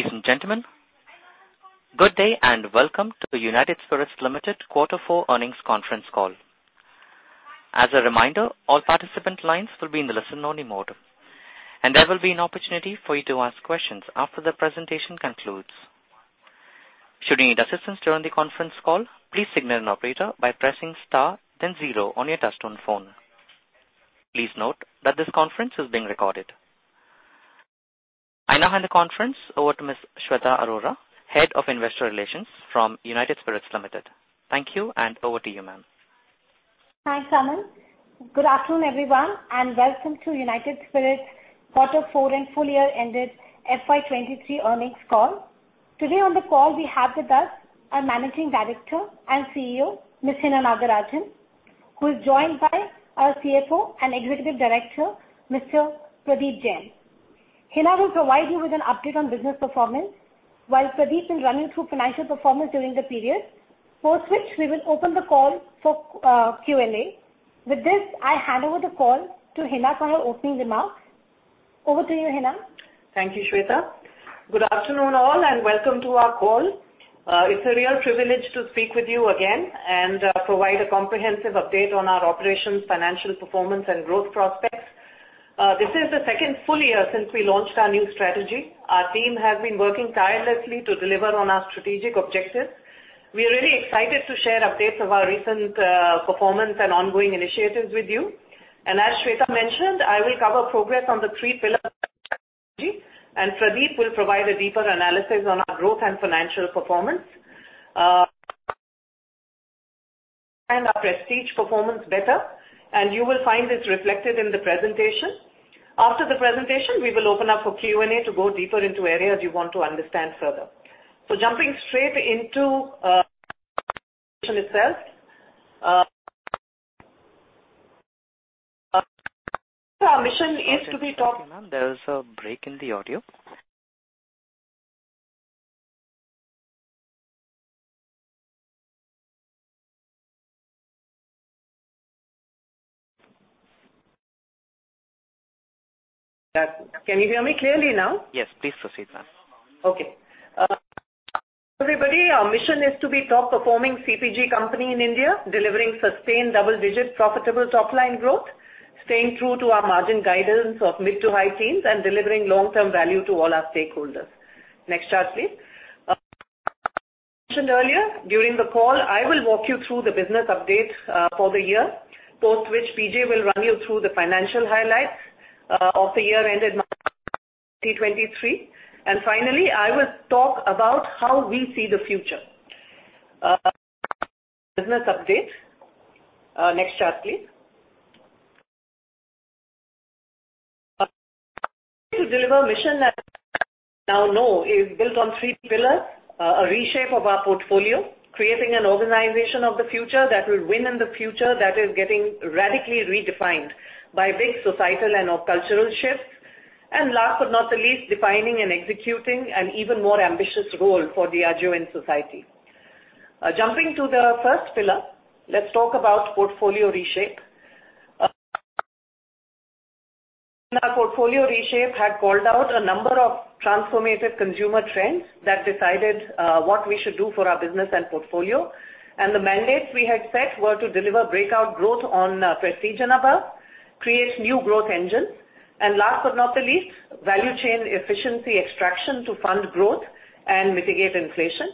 Ladies and gentlemen, good day, and welcome to the United Spirits Limited Quarter Four Earnings Conference Call. As a reminder, all participant lines will be in the listen-only mode, and there will be an opportunity for you to ask questions after the presentation concludes. Should you need assistance during the conference call, please signal an operator by pressing star then zero on your touchtone phone. Please note that this conference is being recorded. I now hand the conference over to Ms. Shweta Arora, Head of Investor Relations from United Spirits Limited. Thank you, and over to you, ma'am. Thanks, Aman. Good afternoon, everyone, and welcome to United Spirits Quarter Four and full year ended FY 2023 earnings call. Today on the call, we have with us our Managing Director and CEO, Hina Nagarajan, who is joined by our CFO and Executive Director, Pradeep Jain. Hina will provide you with an update on business performance, while Pradeep will be running through financial performance during the period. For which we will open the call for Q&A. With this, I hand over the call to Hina for her opening remarks. Over to you, Hina. Thank you, Shweta. Good afternoon, all, and welcome to our call. It's a real privilege to speak with you again and provide a comprehensive update on our operations, financial performance, and growth prospects. This is the second full year since we launched our new strategy. Our team has been working tirelessly to deliver on our strategic objectives. We are really excited to share updates of our recent performance and ongoing initiatives with you. As Shweta mentioned, I will cover progress on the three pillars and Pradeep will provide a deeper analysis on our growth and financial performance. And our prestige performance better, and you will find this reflected in the presentation. After the presentation, we will open up for Q&A to go deeper into areas you want to understand further. Jumping straight into itself, our mission is to be top- Sorry, ma'am. There is a break in the audio. Can you hear me clearly now? Yes, please proceed, ma'am. Okay. Everybody, our mission is to be top-performing CPG company in India, delivering sustained double-digit profitable top-line growth, staying true to our margin guidance of mid-to-high teens, delivering long-term value to all our stakeholders. Next chart, please. As I mentioned earlier, during the call, I will walk you through the business update for the year, post which PJ will run you through the financial highlights of the year-ended March 23. Finally, I will talk about how we see the future. Business update. Next chart, please. to deliver mission that now know is built on three pillars: reshape of our portfolio, creating an organization of the future that will win in the future that is getting radically redefined by big societal and/or cultural shifts. Last but not the least, defining and executing an even more ambitious role for Diageo in society. Jumping to the first pillar, let's talk about portfolio reshape. Our portfolio reshape had called out a number of transformative consumer trends that decided what we should do for our business and portfolio. The mandates we had set were to deliver breakout growth on prestige and above, create new growth engines, and last but not the least, value chain efficiency extraction to fund growth and mitigate inflation.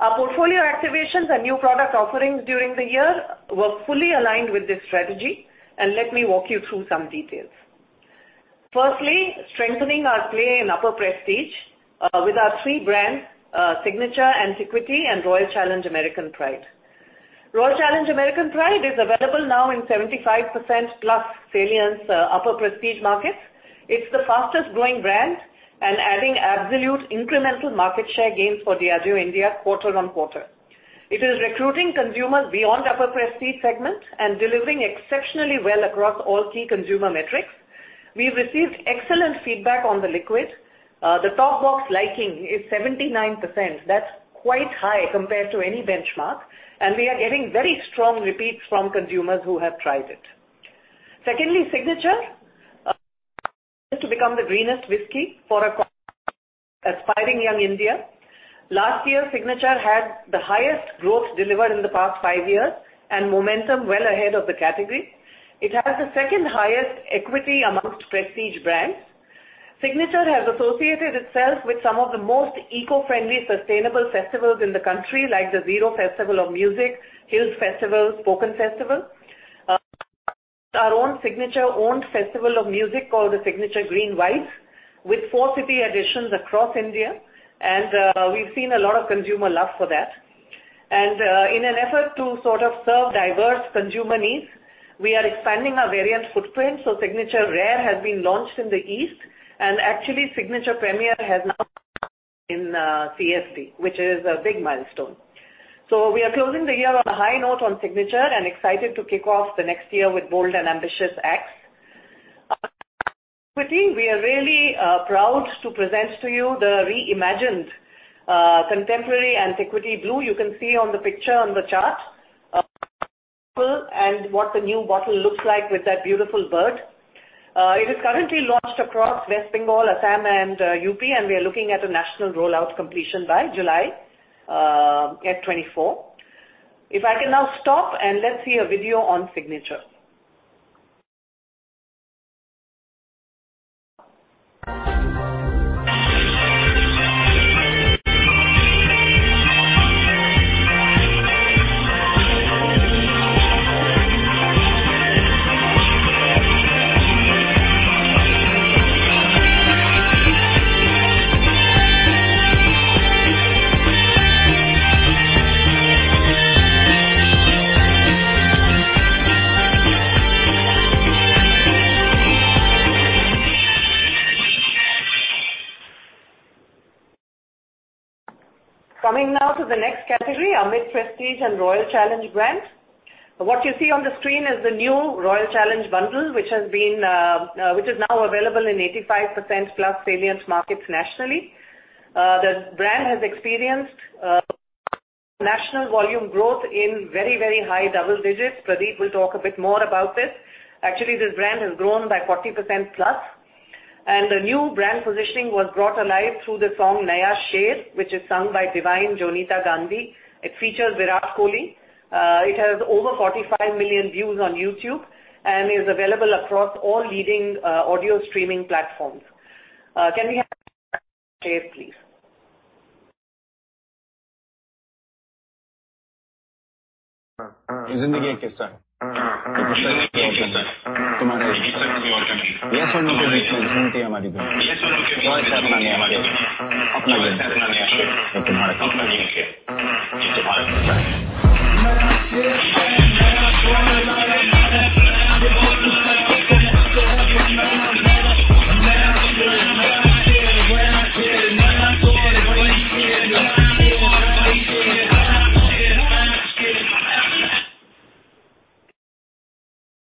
Our portfolio activations and new product offerings during the year were fully aligned with this strategy, and let me walk you through some details. Firstly, strengthening our play in upper prestige, with our three brands, Signature, Antiquity, and Royal Challenge American Pride. Royal Challenge American Pride is available now in 75%+ salience, upper prestige markets. It's the fastest-growing brand and adding absolute incremental market share gains for Diageo India quarter-on-quarter. It is recruiting consumers beyond upper prestige segment and delivering exceptionally well across all key consumer metrics. We've received excellent feedback on the liquid. The top box liking is 79%. That's quite high compared to any benchmark. We are getting very strong repeats from consumers who have tried it. Secondly, Signature to become the greenest whiskey for a aspiring young India. Last year, Signature had the highest growth delivered in the past five years and momentum well ahead of the category. It has the second-highest equity amongst prestige brands. Signature has associated itself with some of the most eco-friendly, sustainable festivals in the country, like the Ziro Festival of Music, Hills Festival, Spoken Festival. Our own Signature-owned festival of music called the Signature Green Vibes, with four city editions across India. We've seen a lot of consumer love for that. In an effort to sort of serve diverse consumer needs, we are expanding our variant footprint, Signature Rare has been launched in the East. Actually, Signature Premier has now in CSD, which is a big milestone. We are closing the year on a high note on Signature and excited to kick off the next year with bold and ambitious X. We are really proud to present to you the reimagined, contemporary Antiquity Blue. You can see on the picture on the chart. What the new bottle looks like with that beautiful bird. It is currently launched across West Bengal, Assam, and UP, we are looking at a national rollout completion by July 2024. If I can now stop, let's see a video on Signature. Coming now to the next category, our mid Prestige and Royal Challenge brand. What you see on the screen is the new Royal Challenge bundle, which has been, which is now available in 85%+ salient markets nationally. The brand has experienced national volume growth in very, very high double digits. Pradeep will talk a bit more about this. Actually, this brand has grown by 40%+. The new brand positioning was brought alive through the song Naya Shuruaat, which is sung by Divine, Jonita Gandhi. It features Virat Kohli. It has over 45 million views on YouTube and is available across all leading audio streaming platforms. Can we have Naya Shuruaat, please?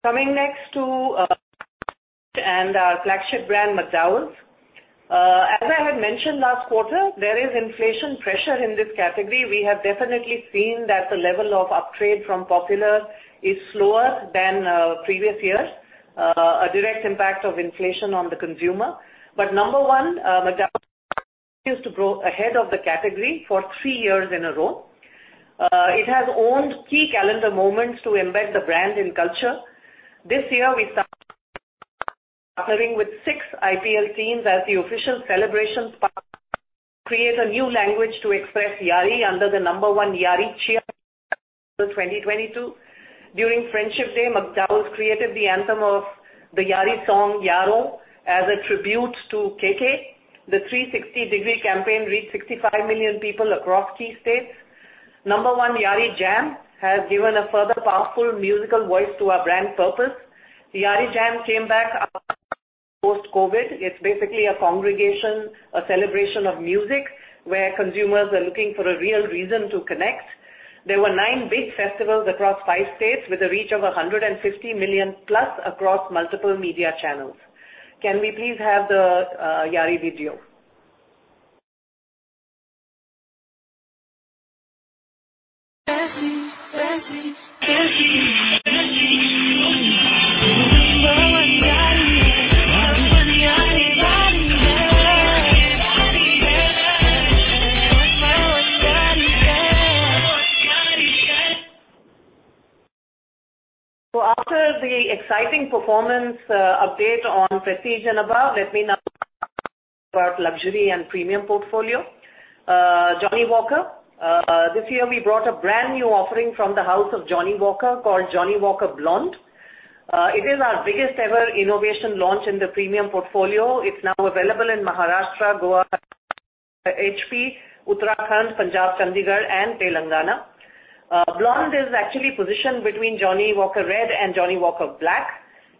Coming next to our flagship brand, McDowell's. As I had mentioned last quarter, there is inflation pressure in this category. We have definitely seen that the level of upgrade from popular is slower than previous years, a direct impact of inflation on the consumer. Number one, McDowell's used to grow ahead of the category for three years in a row. It has owned key calendar moments to embed the brand in culture. This year, we started partnering with six IPL teams as the official celebrations partner to create a new language to express yaari under the number one yaari cheer in 2022. During Friendship Day, McDowell's created the anthem of the yaari song, Yaaron, as a tribute to KK. The 360-degree campaign reached 65 million people across key states. No.1 Yaari Jam has given a further powerful musical voice to our brand purpose. The Yaari Jam came back post-COVID. It's basically a congregation, a celebration of music where consumers are looking for a real reason to connect. There were nine big festivals across five states with a reach of 150 million-plus across multiple media channels. Can we please have the yaari video? After the exciting performance update on Prestige and above, let me now talk about Luxury and Premium portfolio. Johnnie Walker. This year we brought a brand new offering from the house of Johnnie Walker called Johnnie Walker Blonde. It is our biggest ever innovation launch in the Premium portfolio. It's now available in Maharashtra, Goa, HP, Uttarakhand, Punjab, Chandigarh, and Telangana. Blonde is actually positioned between Johnnie Walker Red and Johnnie Walker Black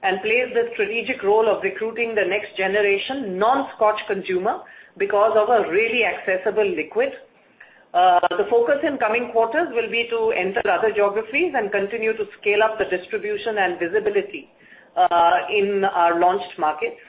and plays the strategic role of recruiting the next generation non-scotch consumer because of a really accessible liquid. The focus in coming quarters will be to enter other geographies and continue to scale up the distribution and visibility in our launched markets.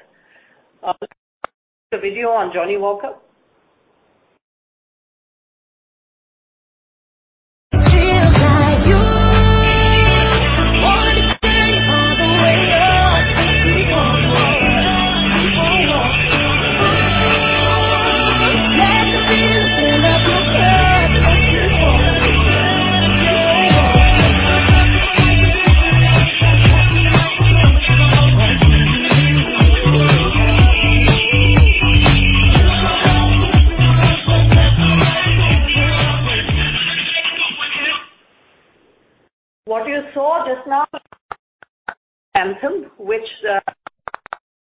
The video on Johnnie Walker. What you saw just now, Anthem, which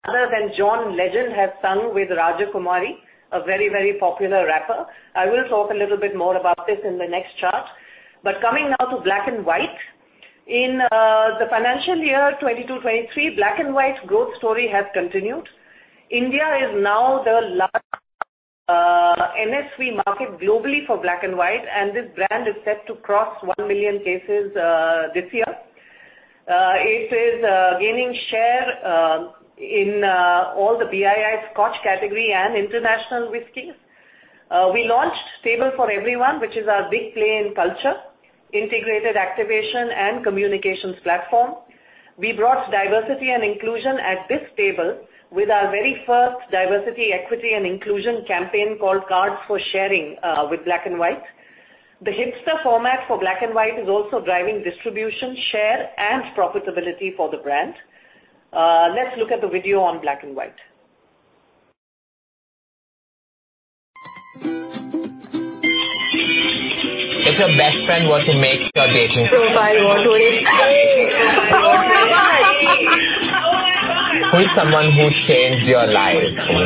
other than John Legend, has sung with Raja Kumari, a very, very popular rapper. I will talk a little bit more about this in the next chart. Coming now to Black & White. In the financial year 2022, 2023, Black & White growth story has continued. India is now the large NSV market globally for Black & White, and this brand is set to cross 1 million cases this year. It is gaining share in all the BII Scotch category and international whiskeys. We launched Table For Everyone, which is our big play in culture, integrated activation and communications platform. We brought diversity and inclusion at this table with our very first diversity, equity, and inclusion campaign called Cards for Sharing, with Black & White. The hipster format for Black & White is also driving distribution, share, and profitability for the brand. Let's look at the video on Black & White. If your best friend were to make your dating profile, what would it say? Oh my God! Oh my God! Who is someone who changed your life?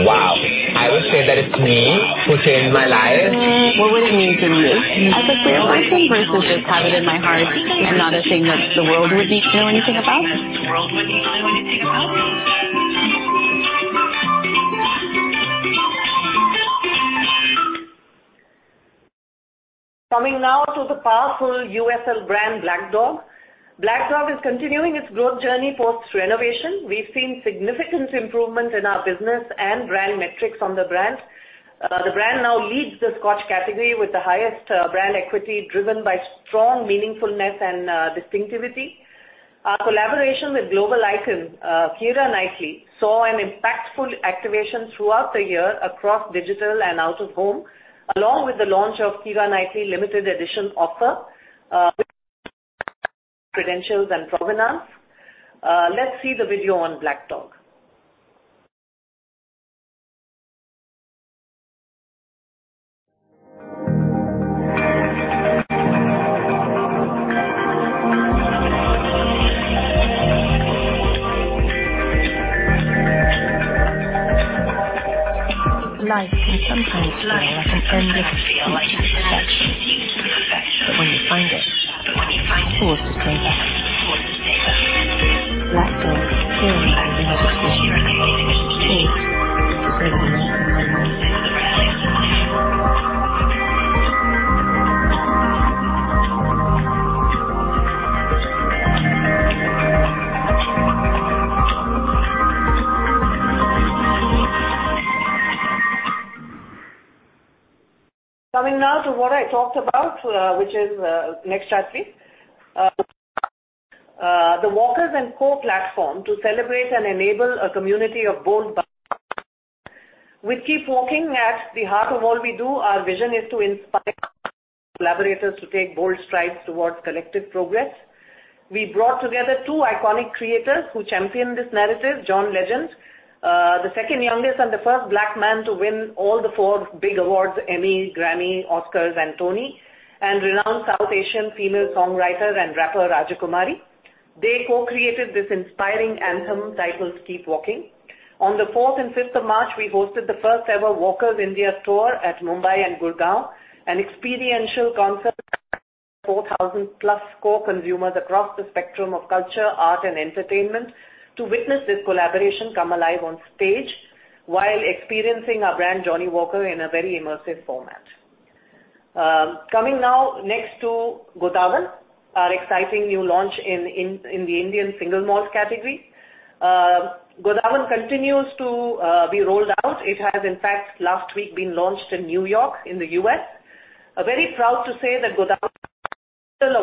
Wow. I would say that it's me who changed my life. Hmm. What would it mean to you? As a queer person versus just have it in my heart and not a thing that the world would need to know anything about? The world would need to know anything about? Coming now to the powerful USL brand Black Dog. Black Dog is continuing its growth journey post renovation. We've seen significant improvement in our business and brand metrics on the brand. The brand now leads the Scotch category with the highest brand equity driven by strong meaningfulness and distinctivity. Our collaboration with global icon, Keira Knightley, saw an impactful activation throughout the year across digital and out of home, along with the launch of Keira Knightley limited edition offer, credentials and provenance. Let's see the video on Black Dog. Life can sometimes feel like an endless pursuit to perfection. When you find it, pause to savor. Black Dog. Keira Knightley limited edition. Pause to savor the moments in life. The Walker & Cie platform to celebrate and enable a community of bold. With Keep Walking at the heart of all we do, our vision is to inspire collaborators to take bold strides towards collective progress. We brought together two iconic creators who championed this narrative, John Legend, the second youngest and the first Black man to win all the four big awards, Emmy, Grammy, Oscars, and Tony, and renowned South Asian female songwriter and rapper Raja Kumari. They co-created this inspiring anthem titled Keep Walking. On the 4th and 5th of March, we hosted the first ever Walker's India Tour at Mumbai and Gurgaon, an experiential concert 4,000-plus core consumers across the spectrum of culture, art, and entertainment to witness this collaboration come alive on stage while experiencing our brand Johnnie Walker in a very immersive format. Coming now next to Godawan, our exciting new launch in the Indian single malt category. Godawan continues to be rolled out. It has, in fact, last week been launched in New York in the U.S. Very proud to say that Godawan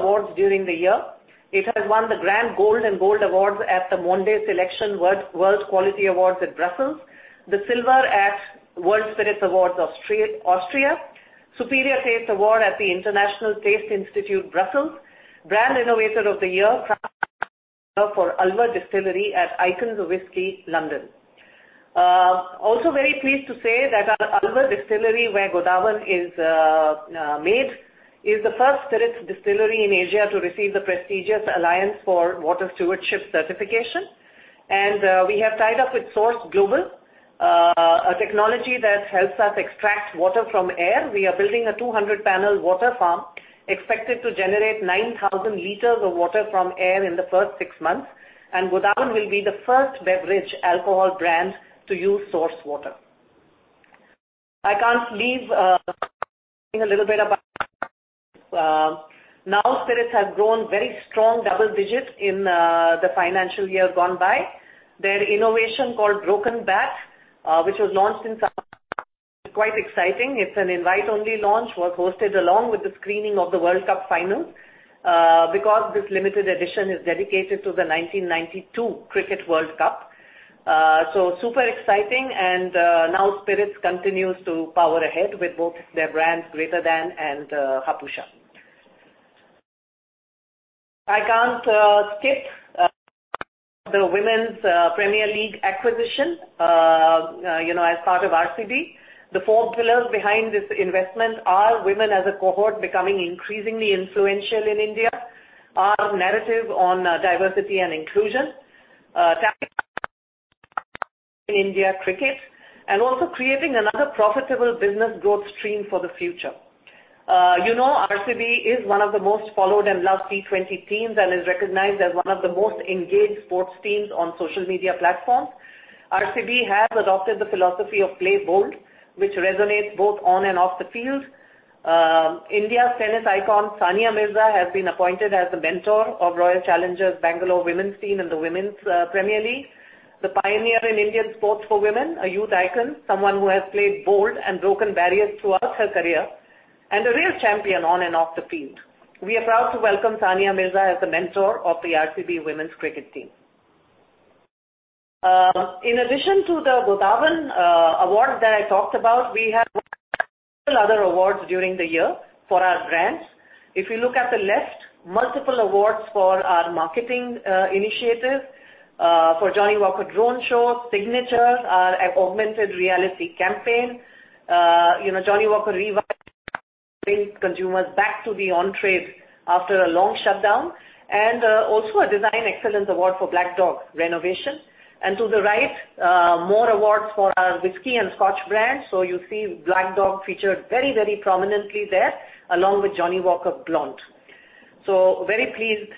awards during the year. It has won the Grand Gold and Gold awards at the Monde Selection World Quality Awards at Brussels, the Silver at World Spirits Awards Austria, Superior Taste Award at the International Taste Institute, Brussels, Brand Innovator of the Year for Alwar Distillery at Icons of Whisky, London. Also very pleased to say that our Alwar Distillery, where Godawan is made, is the first spirits distillery in Asia to receive the prestigious Alliance for Water Stewardship certification. We have tied up with Source Global, a technology that helps us extract water from air. We are building a 200 panel water farm expected to generate 9,000 liters of water from air in the first six months, and Godawan will be the first beverage alcohol brand to use source water. I can't leave a little bit about. Nao Spirits have grown very strong double digits in the financial year gone by. Their innovation called Broken Bat, which was launched in quite exciting. It's an invite-only launch, was hosted along with the screening of the World Cup finals, because this limited edition is dedicated to the 1992 Cricket World Cup. Super exciting and Nao Spirits continues to power ahead with both their brands Greater Than and Hapusa. I can't skip the Women's Premier League acquisition, you know, as part of RCB. The four pillars behind this investment are women as a cohort becoming increasingly influential in India, our narrative on diversity and inclusion, in India cricket, and also creating another profitable business growth stream for the future. You know, RCB is one of the most followed and loved T-twenty teams and is recognized as one of the most engaged sports teams on social media platforms. RCB has adopted the philosophy of Play Bold, which resonates both on and off the field. India's tennis icon Sania Mirza has been appointed as the mentor of Royal Challengers Bangalore women's team in the Women's Premier League. The pioneer in Indian sports for women, a youth icon, someone who has played bold and broken barriers throughout her career, and a real champion on and off the field. We are proud to welcome Sania Mirza as the mentor of the RCB women's cricket team. In addition to the Godawan award that I talked about, we have other awards during the year for our brands. If you look at the left, multiple awards for our marketing initiative for Johnnie Walker Drone Show, Signatures, our Augmented Reality campaign. You know, Johnnie Walker Revive bring consumers back to the on-trade after a long shutdown, and also a Design Excellence award for Black Dog renovation. To the right, more awards for our whiskey and scotch brands. You see Black Dog featured very, very prominently there, along with Johnnie Walker Blonde. Very pleased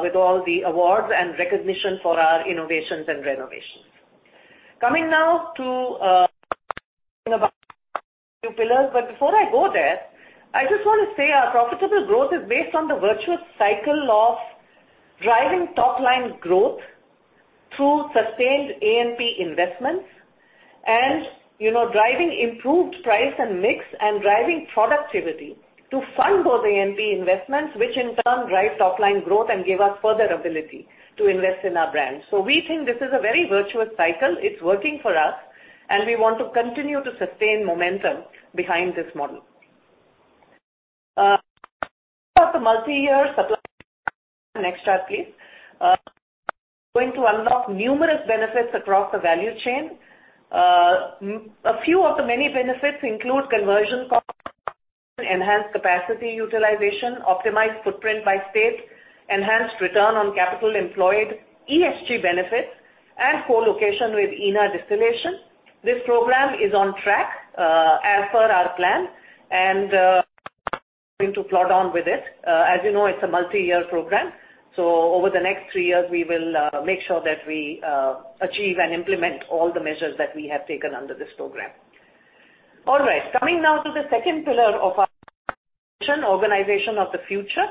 with all the awards and recognition for our innovations and renovations. Coming now to two pillars, before I go there, I just wanna say our profitable growth is based on the virtuous cycle of driving top-line growth through sustained A&P investments and, you know, driving improved price and mix and driving productivity to fund those A&P investments, which in turn drive top-line growth and give us further ability to invest in our brands. We think this is a very virtuous cycle. It's working for us, and we want to continue to sustain momentum behind this model. Of the multi-year supply. Next chart, please. Going to unlock numerous benefits across the value chain. A few of the many benefits include conversion cost, enhanced capacity utilization, optimized footprint by state, enhanced return on capital employed, ESG benefits, and co-location with ENA distillation. This program is on track, as per our plan, and going to plod on with it. As you know, it's a multi-year program, so over the next three years, we will make sure that we achieve and implement all the measures that we have taken under this program. All right. Coming now to the second pillar of our organization of the future.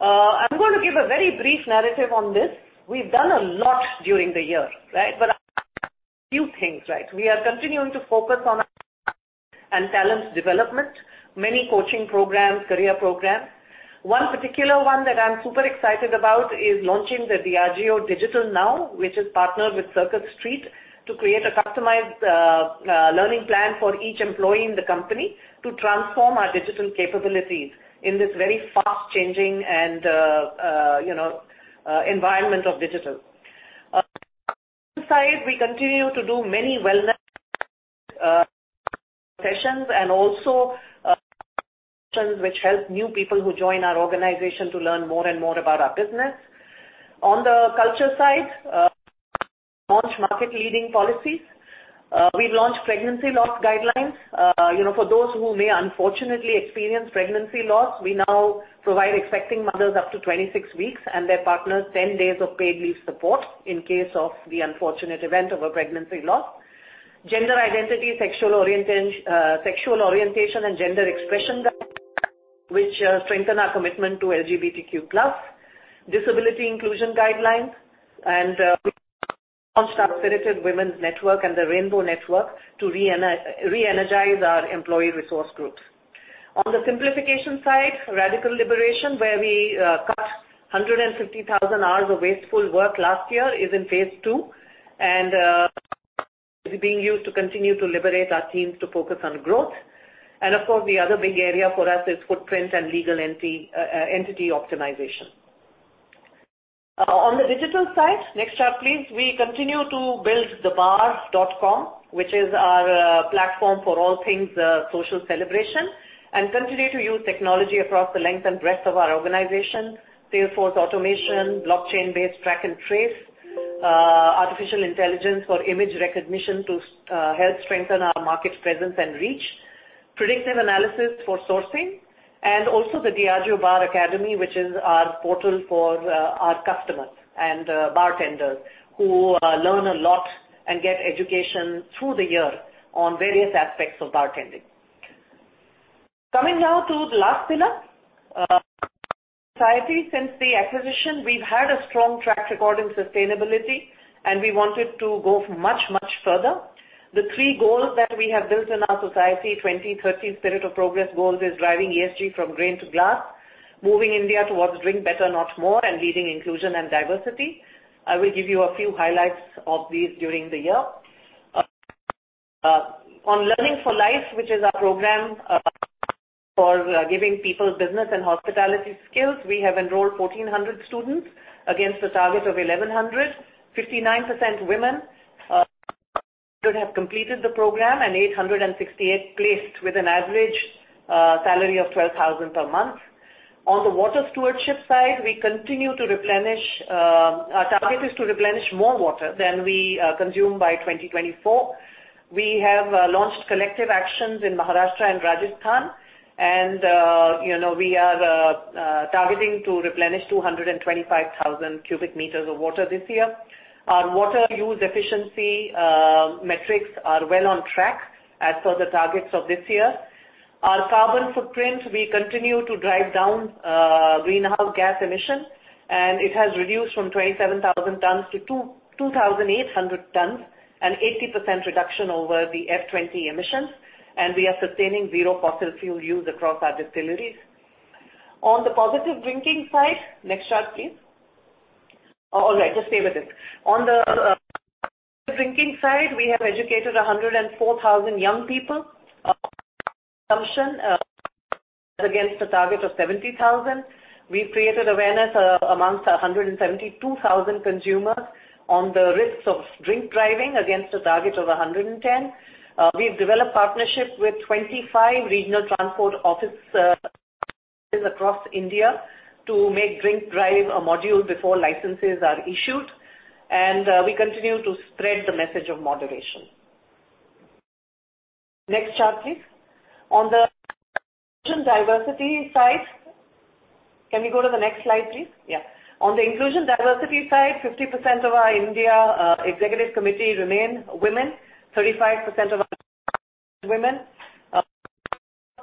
I'm going to give a very brief narrative on this. We've done a lot during the year, right? A few things, right? We are continuing to focus on and talents development, many coaching programs, career programs. One particular one that I'm super excited about is launching the Diageo Digital Now, which is partnered with Circus Street to create a customized learning plan for each employee in the company to transform our digital capabilities in this very fast-changing and, you know, environment of digital. Side, we continue to do many wellness sessions and also, which help new people who join our organization to learn more and more about our business. On the culture side, launch market leading policies. We launched pregnancy loss guidelines. You know, for those who may unfortunately experience pregnancy loss, we now provide expecting mothers up to 26 weeks, and their partners 10 days of paid leave support in case of the unfortunate event of a pregnancy loss. Gender identity, sexual orientation and gender expression guidelines, which strengthen our commitment to LGBTQ+. Disability inclusion guidelines. We launched our Spirited Women's Network and the Rainbow Network to reenergize our employee resource groups. On the simplification side, radical liberation, where we cut 150,000 hours of wasteful work last year, is in phase two and is being used to continue to liberate our teams to focus on growth. Of course, the other big area for us is footprint and legal entity optimization. On the digital side, next chart, please. We continue to build thebar.com, which is our platform for all things social celebration. We continue to use technology across the length and breadth of our organization, Salesforce automation, blockchain-based track and trace, artificial intelligence for image recognition to help strengthen our market presence and reach, predictive analysis for sourcing, and also the Diageo Bar Academy, which is our portal for our customers and bartenders who learn a lot and get education through the year on various aspects of bartending. Coming now to the last pillar. Society. Since the acquisition, we've had a strong track record in sustainability, and we wanted to go much, much further. The three goals that we have built in our Society 2030 Spirit of Progress goals is driving ESG from grain to glass, moving India towards drink better, not more, and leading inclusion and diversity. I will give you a few highlights of these during the year. On Learning for Life, which is our program for giving people business and hospitality skills, we have enrolled 1,400 students against a target of 1,100, 59% women have completed the program and 868 placed with an average salary of 12,000 per month. On the water stewardship side, we continue to replenish, our target is to replenish more water than we consume by 2024. We have launched collective actions in Maharashtra and Rajasthan and we are targeting to replenish 225,000 cubic meters of water this year. Our water use efficiency metrics are well on track as per the targets of this year. Our carbon footprint, we continue to drive down greenhouse gas emissions. It has reduced from 27,000 tons to 2,800 tons, an 80% reduction over the F20 emissions. We are sustaining zero fossil fuel use across our distilleries. On the positive drinking side. Next chart, please. All right, just stay with this. On the drinking side, we have educated 104,000 young people against a target of 70,000. We've created awareness amongst 172,000 consumers on the risks of drink driving against a target of 110. We've developed partnerships with 25 regional transport office across India to make drink-drive a module before licenses are issued. We continue to spread the message of moderation. Next chart, please. On the inclusion diversity side. Can we go to the next slide, please? Yeah. On the inclusion diversity side, 50% of our India executive committee remain women. 35% of our women.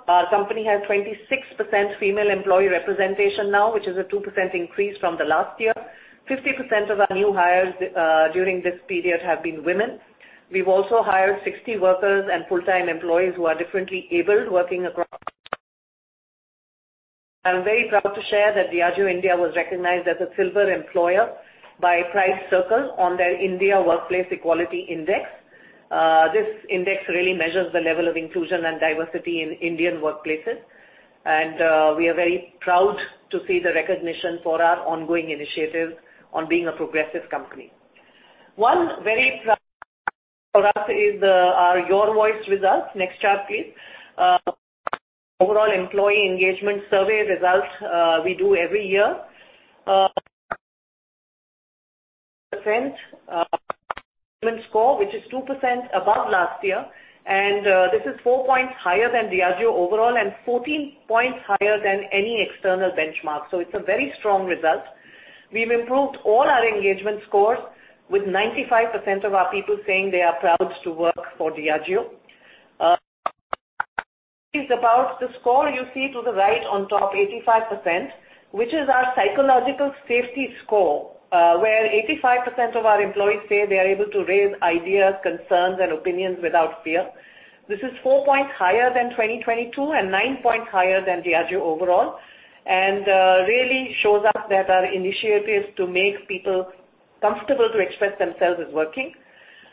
Our company has 26% female employee representation now, which is a 2% increase from the last year. 50% of our new hires during this period have been women. We've also hired 60 workers and full-time employees who are differently abled working across... I'm very proud to share that Diageo India was recognized as a silver employer by Pride Circle on their India Workplace Equality Index. This index really measures the level of inclusion and diversity in Indian workplaces. We are very proud to see the recognition for our ongoing initiatives on being a progressive company. One very proud for us is our Your Voice with Us. Next chart, please. Overall employee engagement survey results, we do every year. Score, which is 2% above last year. This is four points higher than Diageo overall and 14 points higher than any external benchmark. It's a very strong result. We've improved all our engagement scores with 95% of our people saying they are proud to work for Diageo. Is about the score you see to the right on top, 85%, which is our psychological safety score, where 85% of our employees say they are able to raise ideas, concerns, and opinions without fear. This is four points higher than 2022 and nine points higher than Diageo overall, really shows us that our initiatives to make people comfortable to express themselves is working.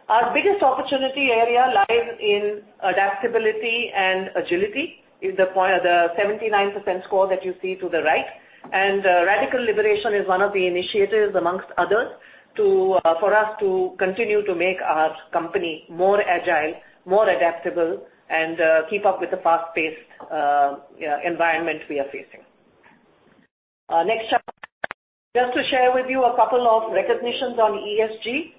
Our biggest opportunity area lies in adaptability and agility, is the point. the 79% score that you see to the right. Radical liberation is one of the initiatives, amongst others, for us to continue to make our company more agile, more adaptable, and keep up with the fast-paced environment we are facing. Next chart. Just to share with you a couple of recognitions on ESG.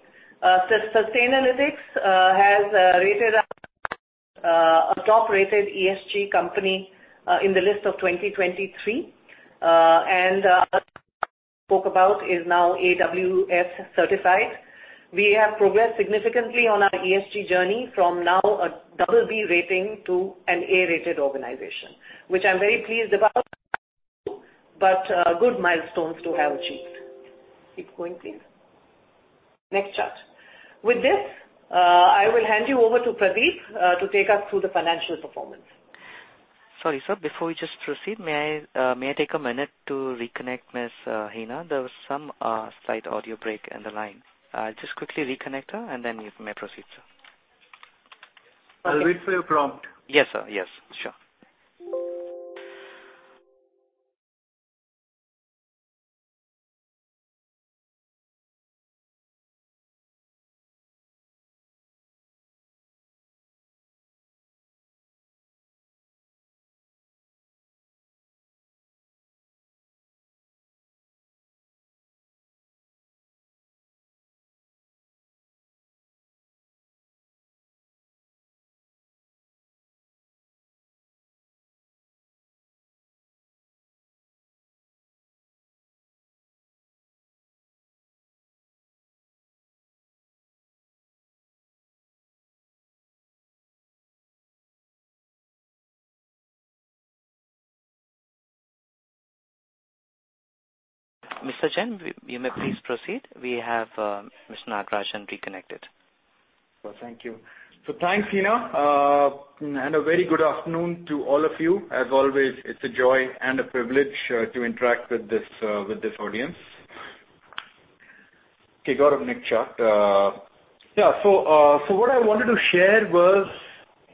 Sustainalytics has rated us a top-rated ESG company in the list of 2023. Spoke about is now AWS certified. We have progressed significantly on our ESG journey from now a double B rating to an A-rated organization, which I'm very pleased about, but good milestones to have achieved. Keep going, please. Next chart. With this, I will hand you over to Pradeep to take us through the financial performance. Sorry, sir. Before we just proceed, may I, may I take a minute to reconnect Ms. Hina? There was some, slight audio break in the line. I'll just quickly reconnect her, then you may proceed, sir. I'll wait for your prompt. Yes, sir. Yes. Sure. Mr. Jain, you may please proceed. We have Mr. Nagarajan reconnected. Well, thank you. Thanks, Hina. A very good afternoon to all of you. As always, it's a joy and a privilege to interact with this with this audience. Okay, Gaurav, next chart. Yeah. What I wanted to share was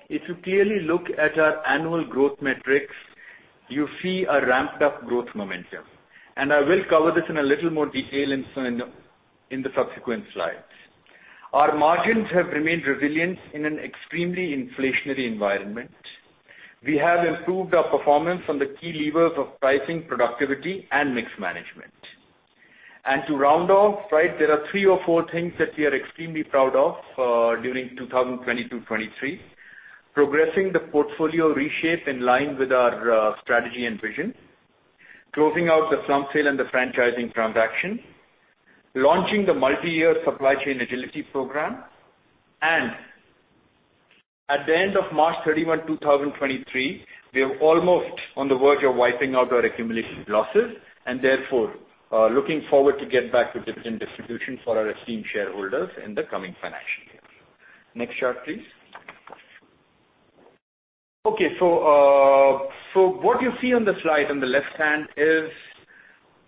if you clearly look at our annual growth metrics, you see a ramped up growth momentum. I will cover this in a little more detail in the subsequent slides. Our margins have remained resilient in an extremely inflationary environment. We have improved our performance on the key levers of pricing, productivity, and mix management. To round off, right, there are three or four things that we are extremely proud of during 2022, 2023. Progressing the portfolio reshape in line with our strategy and vision. Closing out the plum sale and the franchising transaction. Launching the multi-year supply chain agility program. At the end of March 31, 2023, we are almost on the verge of wiping out our accumulation losses and therefore, looking forward to get back to dividend distribution for our esteemed shareholders in the coming financial year. Next chart, please. What you see on the slide on the left hand is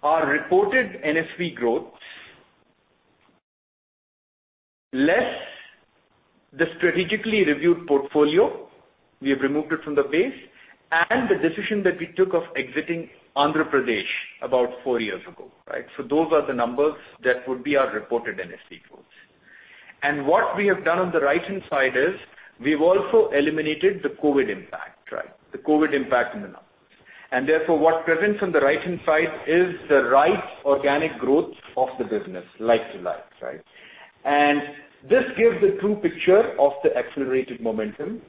our reported NSV growth, less the strategically reviewed portfolio, we have removed it from the base, and the decision that we took of exiting Andhra Pradesh about four years ago, right? Those are the numbers that would be our reported NSV growth. What we have done on the right-hand side is we've also eliminated the COVID impact, right? The COVID impact on the numbers. Therefore, what presents on the right-hand side is the right organic growth of the business like to like, right. This gives the true picture of the accelerated momentum.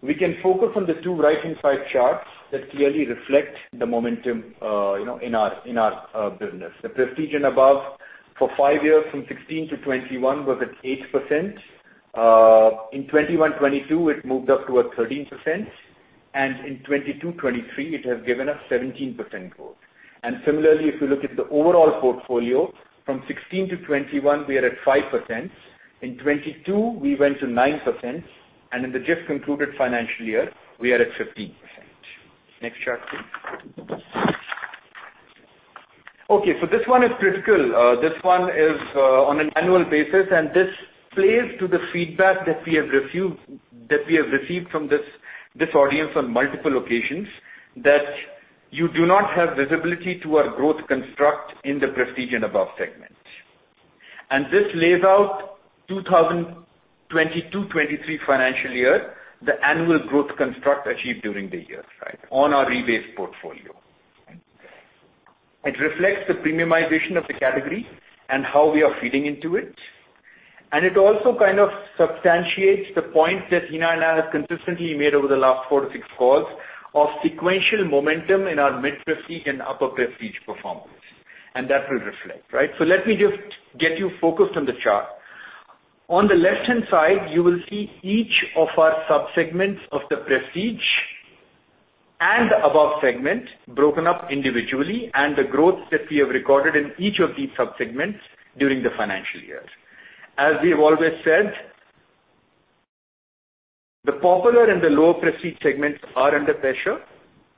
We can focus on the two right-hand side charts that clearly reflect the momentum, you know, in our business. The prestige and above for five years from 2016-2021 was at 8%. In 2021-2022, it moved up to a 13%, and in 2022-2023, it has given us 17% growth. Similarly, if you look at the overall portfolio from 2016-2021, we are at 5%. In 2022, we went to 9%, and in the just concluded financial year, we are at 15%. Next chart, please. Okay, this one is critical. This one is on an annual basis, this plays to the feedback that we have received from this audience on multiple occasions that you do not have visibility to our growth construct in the prestige and above segment. This lays out 2022-2023 financial year, the annual growth construct achieved during the years, right? On our rebased portfolio. It reflects the premiumization of the category and how we are feeding into it. It also kind of substantiates the point that Hina and I have consistently made over the last 4-6 calls of sequential momentum in our mid-prestige and upper prestige performance. That will reflect, right? Let me just get you focused on the chart. On the left-hand side, you will see each of our sub-segments of the prestige and above segment broken up individually and the growth that we have recorded in each of these sub-segments during the financial year. As we have always said, the popular and the low prestige segments are under pressure,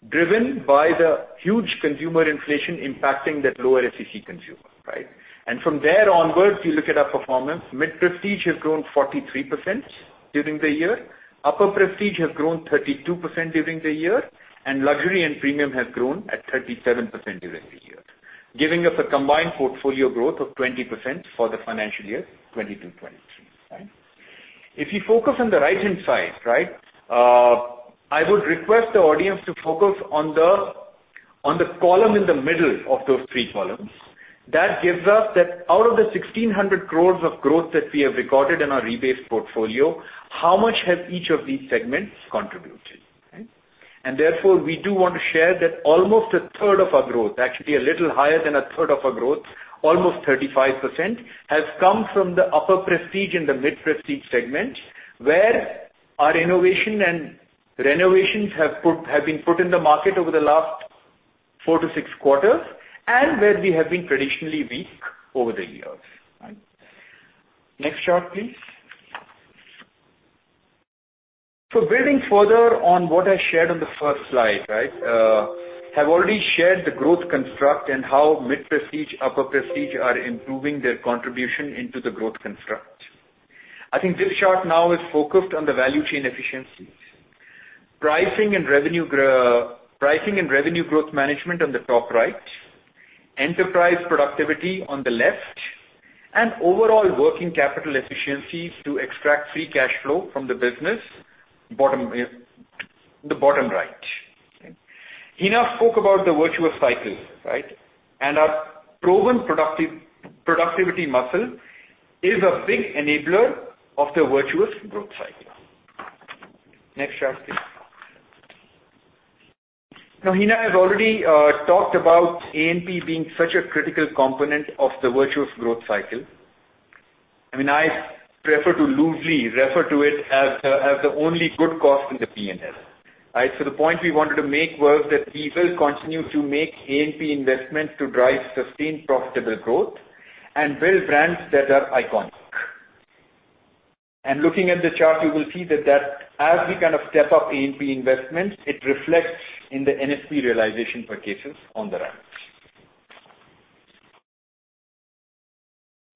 driven by the huge consumer inflation impacting that lower SCC consumer, right? From there onwards, you look at our performance. Mid-prestige has grown 43% during the year. Upper prestige has grown 32% during the year. Luxury and premium have grown at 37% during the year, giving us a combined portfolio growth of 20% for the financial year 2022-2023. Right? If you focus on the right-hand side, right, I would request the audience to focus on the column in the middle of those three columns. That gives us that out of the 1,600 crores of growth that we have recorded in our rebased portfolio, how much has each of these segments contributed? Right? Therefore, we do want to share that almost a third of our growth, actually a little higher than a third of our growth, almost 35%, has come from the upper prestige and the mid-prestige segments, where our innovation and renovations have been put in the market over the last four to six quarters, and where we have been traditionally weak over the years. Right? Next chart, please. Building further on what I shared on the first slide, right, have already shared the growth construct and how mid prestige, upper prestige are improving their contribution into the growth construct. I think this chart now is focused on the value chain efficiencies. Pricing and revenue growth management on the top right, enterprise productivity on the left, and overall working capital efficiencies to extract free cash flow from the business bottom, the bottom right. Okay. Hina spoke about the virtuous cycles, right. Our proven productivity muscle is a big enabler of the virtuous growth cycle. Next chart, please. Hina has already talked about A&P being such a critical component of the virtuous growth cycle. I mean, I prefer to loosely refer to it as the, as the only good cost in the P&L. Right. The point we wanted to make was that we will continue to make A&P investments to drive sustained profitable growth and build brands that are iconic. Looking at the chart, you will see that as we kind of step up A&P investments, it reflects in the NSV realization per cases on the right.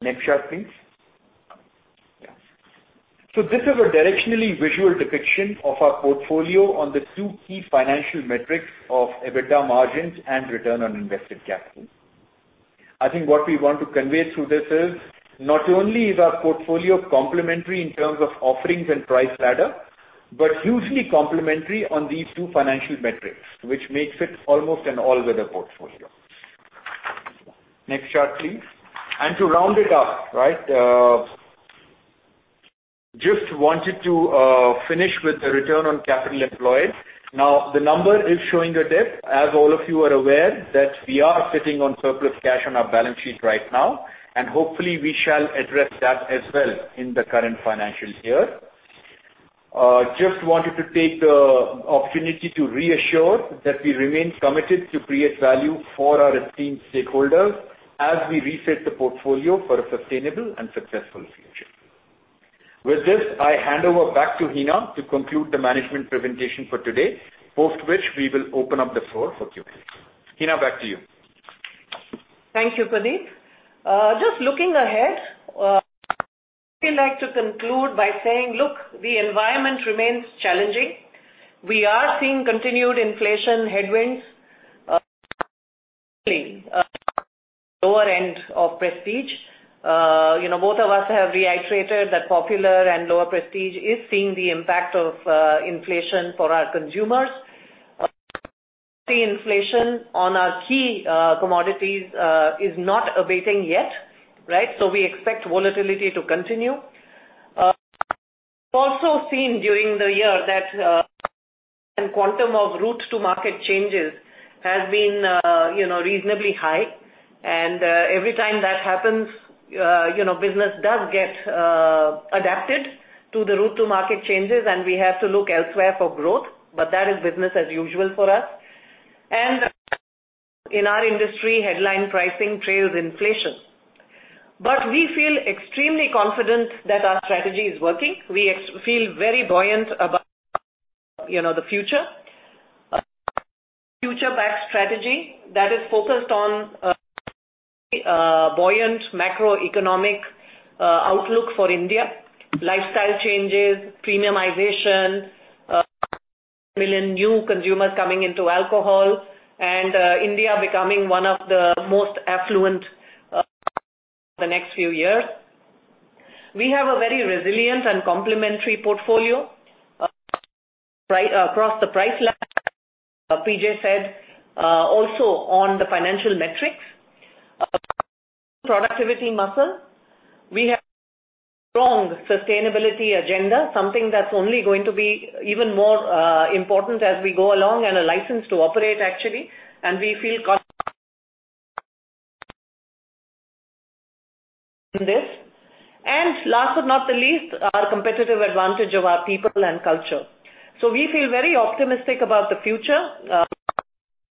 Next chart, please. This is a directionally visual depiction of our portfolio on the two key financial metrics of EBITDA margins and return on invested capital. I think what we want to convey through this is not only is our portfolio complementary in terms of offerings and price ladder. Hugely complementary on these two financial metrics, which makes it almost an all-weather portfolio. Next chart, please. To round it up, right, just wanted to finish with the return on capital employed. Now, the number is showing a dip. As all of you are aware that we are sitting on surplus cash on our balance sheet right now, and hopefully we shall address that as well in the current financial year. Just wanted to take the opportunity to reassure that we remain committed to create value for our esteemed stakeholders as we reset the portfolio for a sustainable and successful future. With this, I hand over back to Hina to conclude the management presentation for today, post which we will open up the floor for Q&A. Hina, back to you. Thank you, Pradeep. Just looking ahead, we'd like to conclude by saying, look, the environment remains challenging. We are seeing continued inflation headwinds, lower end of prestige. You know, both of us have reiterated that popular and lower prestige is seeing the impact of inflation for our consumers. The inflation on our key commodities is not abating yet, right? We expect volatility to continue. We've also seen during the year that quantum of route to market changes has been, you know, reasonably high. Every time that happens, you know, business does get adapted to the route to market changes, and we have to look elsewhere for growth. That is business as usual for us. In our industry, headline pricing trails inflation. We feel extremely confident that our strategy is working. We feel very buoyant about, you know, the future. Future backed strategy that is focused on buoyant macroeconomic outlook for India, lifestyle changes, premiumization, million new consumers coming into alcohol and India becoming one of the most affluent the next few years. We have a very resilient and complementary portfolio across the price PJ said, also on the financial metrics. productivity muscle. We have strong sustainability agenda, something that's only going to be even more important as we go along and a license to operate, actually, and we feel in this. Last but not the least, our competitive advantage of our people and culture. We feel very optimistic about the future,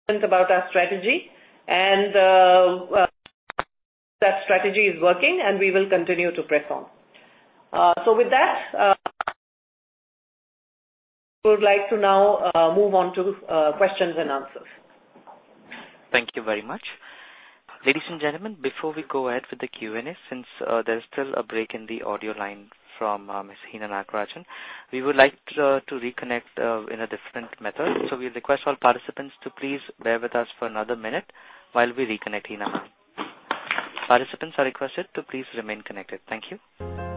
about our strategy and that strategy is working and we will continue to press on. With that, we would like to now, move on to, questions and answers. Thank you very much. Ladies and gentlemen, before we go ahead with the Q&A, since there is still a break in the audio line from Ms. Hina Nagarajan, we would like to reconnect in a different method. We request all participants to please bear with us for another minute while we reconnect Hina ma'am. Participants are requested to please remain connected. Thank you.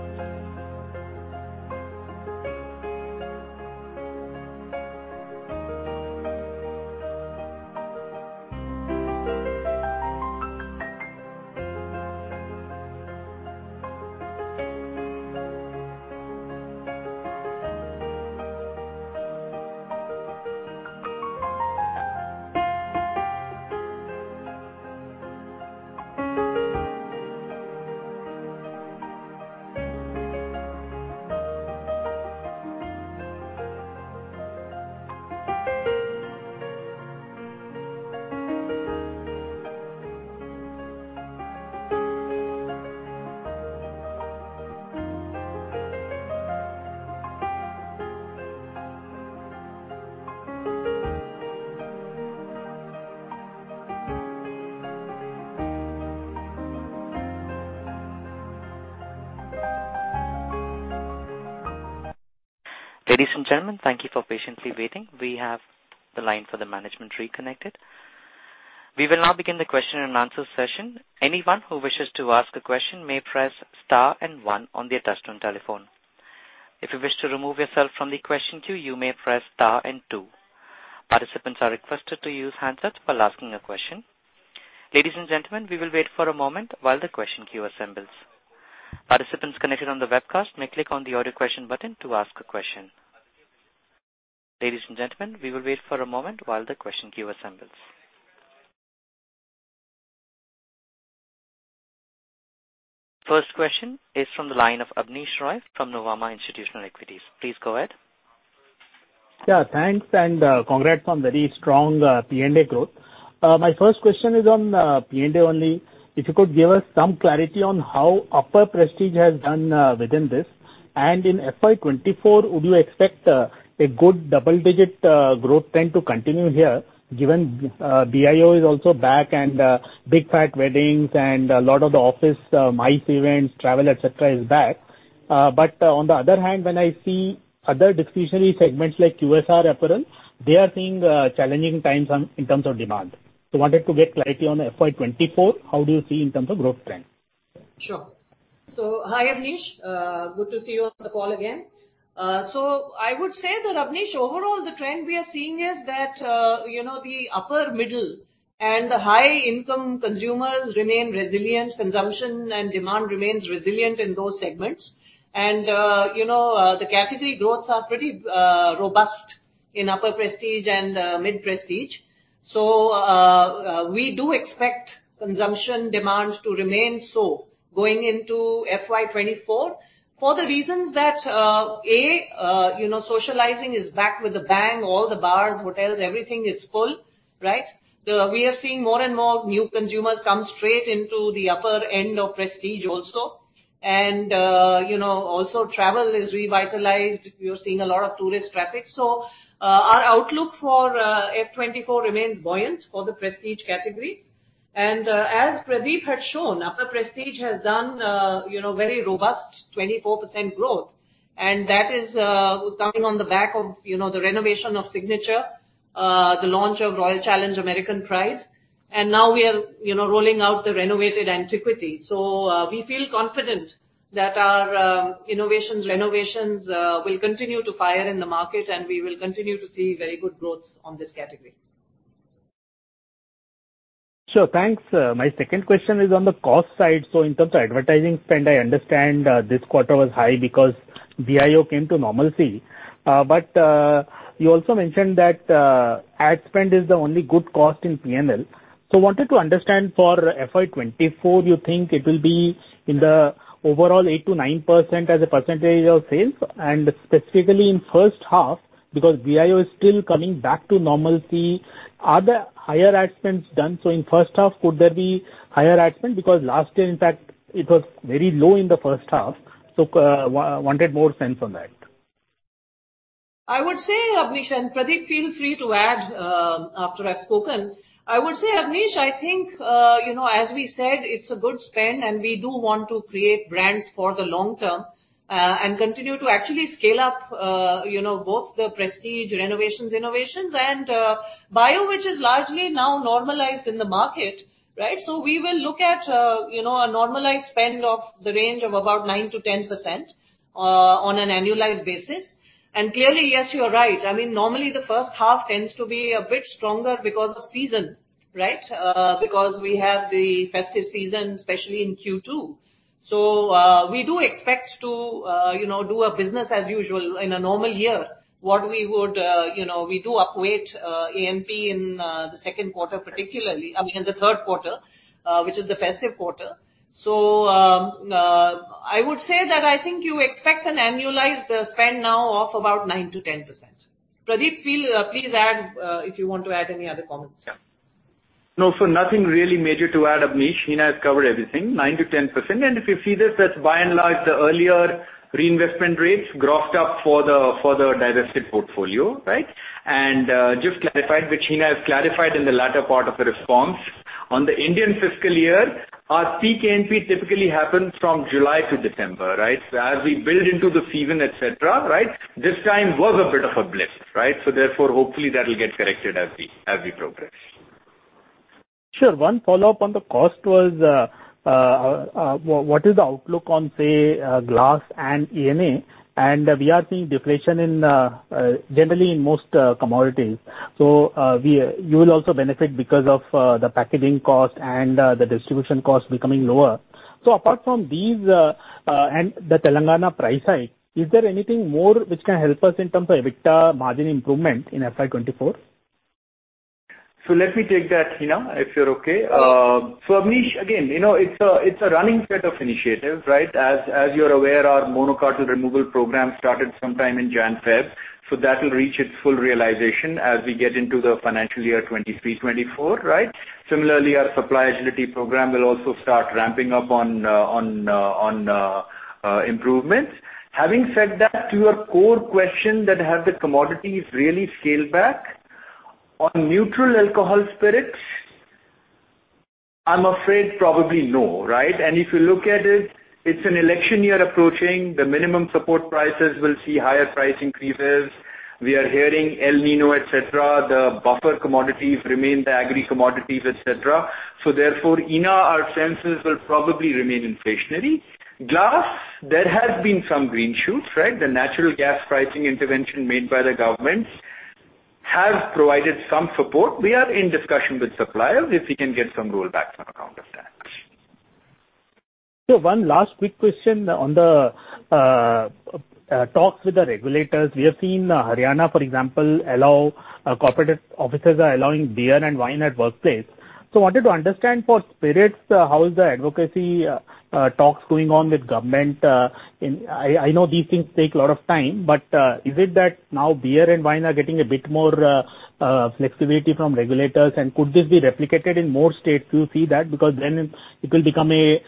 Ladies and gentlemen, thank you for patiently waiting. We have the line for the management reconnected. We will now begin the question and answer session. Anyone who wishes to ask a question may press star and one on their touch-tone telephone. If you wish to remove yourself from the question queue, you may press star and two. Participants are requested to use handsets while asking a question. Ladies and gentlemen, we will wait for a moment while the question queue assembles. Participants connected on the webcast may click on the audio question button to ask a question. Ladies and gentlemen, we will wait for a moment while the question queue assembles. First question is from the line of Abneesh Roy from Nuvama Institutional Equities. Please go ahead. Yeah, thanks. Congrats on very strong PND growth. My first question is on PND only. If you could give us some clarity on how upper prestige has done within this. In FY 2024, would you expect a good double digit growth trend to continue here, given BIO is also back and big fat weddings and a lot of the office MICE events, travel, et cetera, is back. On the other hand, when I see other discretionary segments like QSR apparel, they are seeing challenging times on, in terms of demand. Wanted to get clarity on FY 2024, how do you see in terms of growth trend? Sure. Hi, Abneesh. Good to see you on the call again. I would say that, Avnish, overall, the trend we are seeing is that, you know, the upper middle and the high income consumers remain resilient. Consumption and demand remains resilient in those segments. You know, the category growths are pretty robust in upper prestige and mid prestige. We do expect consumption demands to remain so going into FY 2024 for the reasons that, A, you know, socializing is back with a bang. All the bars, hotels, everything is full, right? We are seeing more and more new consumers come straight into the upper end of prestige also. You know, also travel is revitalized. We are seeing a lot of tourist traffic. Our outlook for FY 2024 remains buoyant for the prestige categories. As Pradeep had shown, upper prestige has done, you know, very robust 24% growth, and that is coming on the back of, you know, the renovation of Signature, the launch of Royal Challenge American Pride. Now we are, you know, rolling out the renovated Antiquity. We feel confident that our innovations, renovations, will continue to fire in the market, and we will continue to see very good growths on this category. Sure. Thanks. My second question is on the cost side. In terms of advertising spend, I understand this quarter was high because BIO came to normalcy. You also mentioned that ad spend is the only good cost in PNL. Wanted to understand for FY 2024, you think it will be in the overall 8%-9% as a percentage of sales? And specifically in first half, because BIO is still coming back to normalcy, are there higher ad spends done? In first half, could there be higher ad spend? Because last year, in fact, it was very low in the first half. Wanted more sense on that. I would say, Avnish, and Pradeep, feel free to add after I've spoken. I would say, Avnish, I think, you know, as we said, it's a good spend, and we do want to create brands for the long term, and continue to actually scale up, you know, both the prestige renovations, innovations and BIO, which is largely now normalized in the market, right? We will look at, you know, a normalized spend of the range of about 9%-10% on an annualized basis. Clearly, yes, you are right. I mean, normally the first half tends to be a bit stronger because of season, right? Because we have the festive season, especially in Q2. We do expect to, you know, do a business as usual in a normal year, what we would, you know, we do equate AMP in the second quarter particularly, I mean, in the third quarter, which is the festive quarter. I would say that I think you expect an annualized spend now of about 9%-10%. Pradeep, feel please add if you want to add any other comments. No, nothing really major to add, Avnish. Hina has covered everything, 9%-10%. If you see this, that's by and large the earlier reinvestment rates grokked up for the divested portfolio, right? Just clarified, which Hina has clarified in the latter part of the response. On the Indian fiscal year, our peak AMP typically happens from July to December, right? As we build into the season, et cetera, right? This time was a bit of a blip, right? Therefore, hopefully that'll get corrected as we progress. Sure. One follow-up on the cost was, what is the outlook on, say, glass and ENA? We are seeing deflation generally in most commodities. You will also benefit because of the packaging cost and the distribution cost becoming lower. Apart from these, and the Telangana price hike, is there anything more which can help us in terms of EBITDA margin improvement in FY 2024? Let me take that, Hina, if you're okay. Avnish, again, you know, it's a, it's a running set of initiatives, right? As you're aware, our mono cartel removal program started sometime in January/February. That will reach its full realization as we get into the financial year 2023/2024, right? Similarly, our supply agility program will also start ramping up on improvements. Having said that, to your core question that have the commodities really scaled back, on neutral alcohol spirits, I'm afraid probably no, right? If you look at it's an election year approaching. The minimum support prices will see higher price increases. We are hearing El Niño, et cetera. The buffer commodities remain the agri commodities, et cetera. Therefore, in our senses will probably remain inflationary. Glass, there has been some green shoots, right? The natural gas pricing intervention made by the governments has provided some support. We are in discussion with suppliers if we can get some rollbacks on account of that. One last quick question on the talks with the regulators. We have seen Haryana, for example, allow corporate offices are allowing beer and wine at workplace. Wanted to understand for spirits, how is the advocacy talks going on with government? I know these things take a lot of time, but is it that now beer and wine are getting a bit more flexibility from regulators, and could this be replicated in more states? Do you see that? Because then it will become a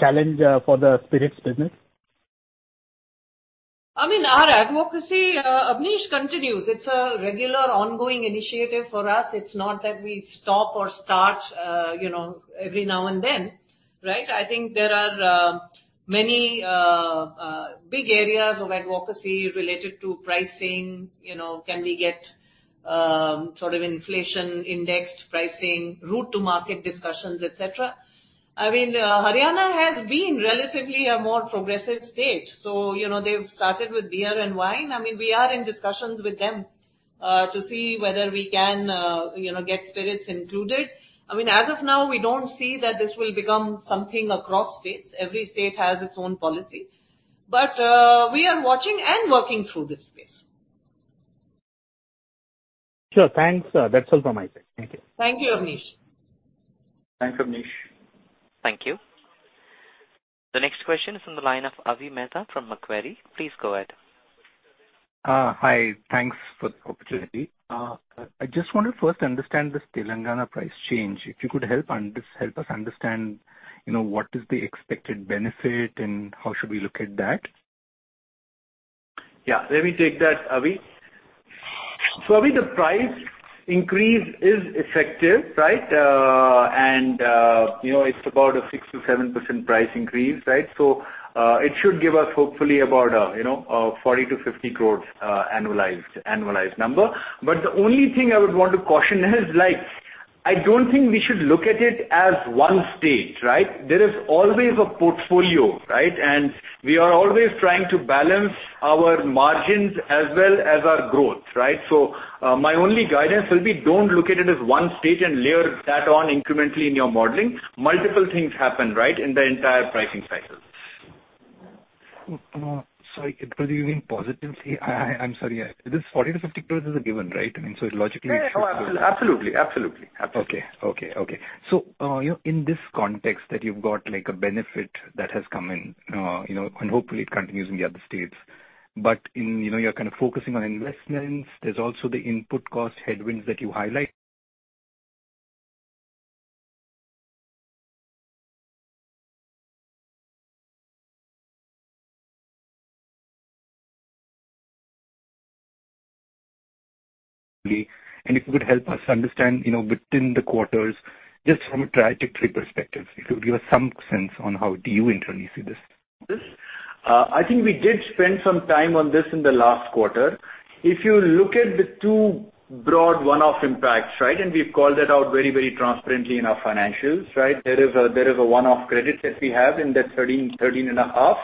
challenge for the spirits business. I mean, our advocacy, Avnish, continues. It's a regular ongoing initiative for us. It's not that we stop or start, you know, every now and then, right? I think there are many big areas of advocacy related to pricing, you know, can we get sort of inflation indexed pricing route to market discussions, et cetera. I mean, Haryana has been relatively a more progressive state. You know, they've started with beer and wine. I mean, we are in discussions with them to see whether we can, you know, get spirits included. I mean, as of now, we don't see that this will become something across states. Every state has its own policy. We are watching and working through this space. Sure. Thanks. That's all from my side. Thank you. Thank you, Abneesh. Thanks, Abneesh. Thank you. The next question is from the line of Avi Mehta from Macquarie. Please go ahead. Hi. Thanks for the opportunity. I just want to first understand this Telangana price change. If you could help us understand, you know, what is the expected benefit and how should we look at that? Yeah. Let me take that, Avi. Avi, the price increase is effective, right? And, you know, it's about a 6%-7% price increase, right? It should give us hopefully about, you know, 40-50 crores annualized number. The only thing I would want to caution is, like, I don't think we should look at it as one state, right? There is always a portfolio, right? We are always trying to balance our margins as well as our growth, right? My only guidance will be don't look at it as one state and layer that on incrementally in your modeling. Multiple things happen, right, in the entire pricing cycle. Sorry, it will be even positively. I'm sorry. This 40 crore-50 crore is a given, right? I mean. Yeah, yeah. No, absolutely. Absolutely. Absolutely. Okay. Okay, okay. You know, in this context that you've got, like, a benefit that has come in, you know, and hopefully it continues in the other states. You know, you're kind of focusing on investments. There's also the input cost headwinds that you highlight. If you could help us understand, you know, within the quarters, just from a trajectory perspective, if you could give us some sense on how do you internally see this? I think we did spend some time on this in the last quarter. If you look at the two broad one-off impacts, right, we've called that out very, very transparently in our financials, right? There is a one-off credit that we have in that 13 and a half.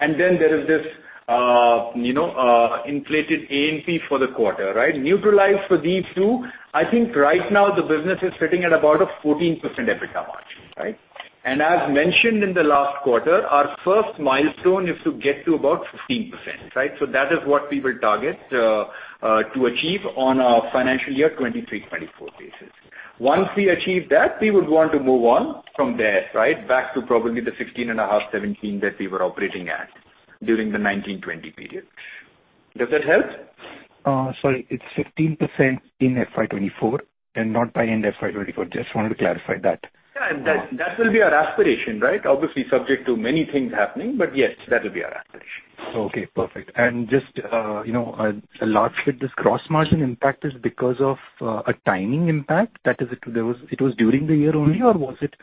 Then there is this, you know, inflated A&P for the quarter, right? Neutralized for these two, I think right now the business is sitting at about a 14% EBITDA margin, right? As mentioned in the last quarter, our first milestone is to get to about 15%, right? That is what we will target to achieve on our financial year 2023/2024 basis. Once we achieve that, we would want to move on from there, right, back to probably the 16.5, 17 that we were operating at during the 2019/2020 period. Does that help? Sorry, it's 15% in FY 2024 and not by end FY 2024. Just wanted to clarify that. Yeah. That will be our aspiration, right? Obviously, subject to many things happening, but yes, that will be our aspiration. Okay. Perfect. Just, you know, a large bit, this gross margin impact is because of a timing impact? That is it was during the year only or was it?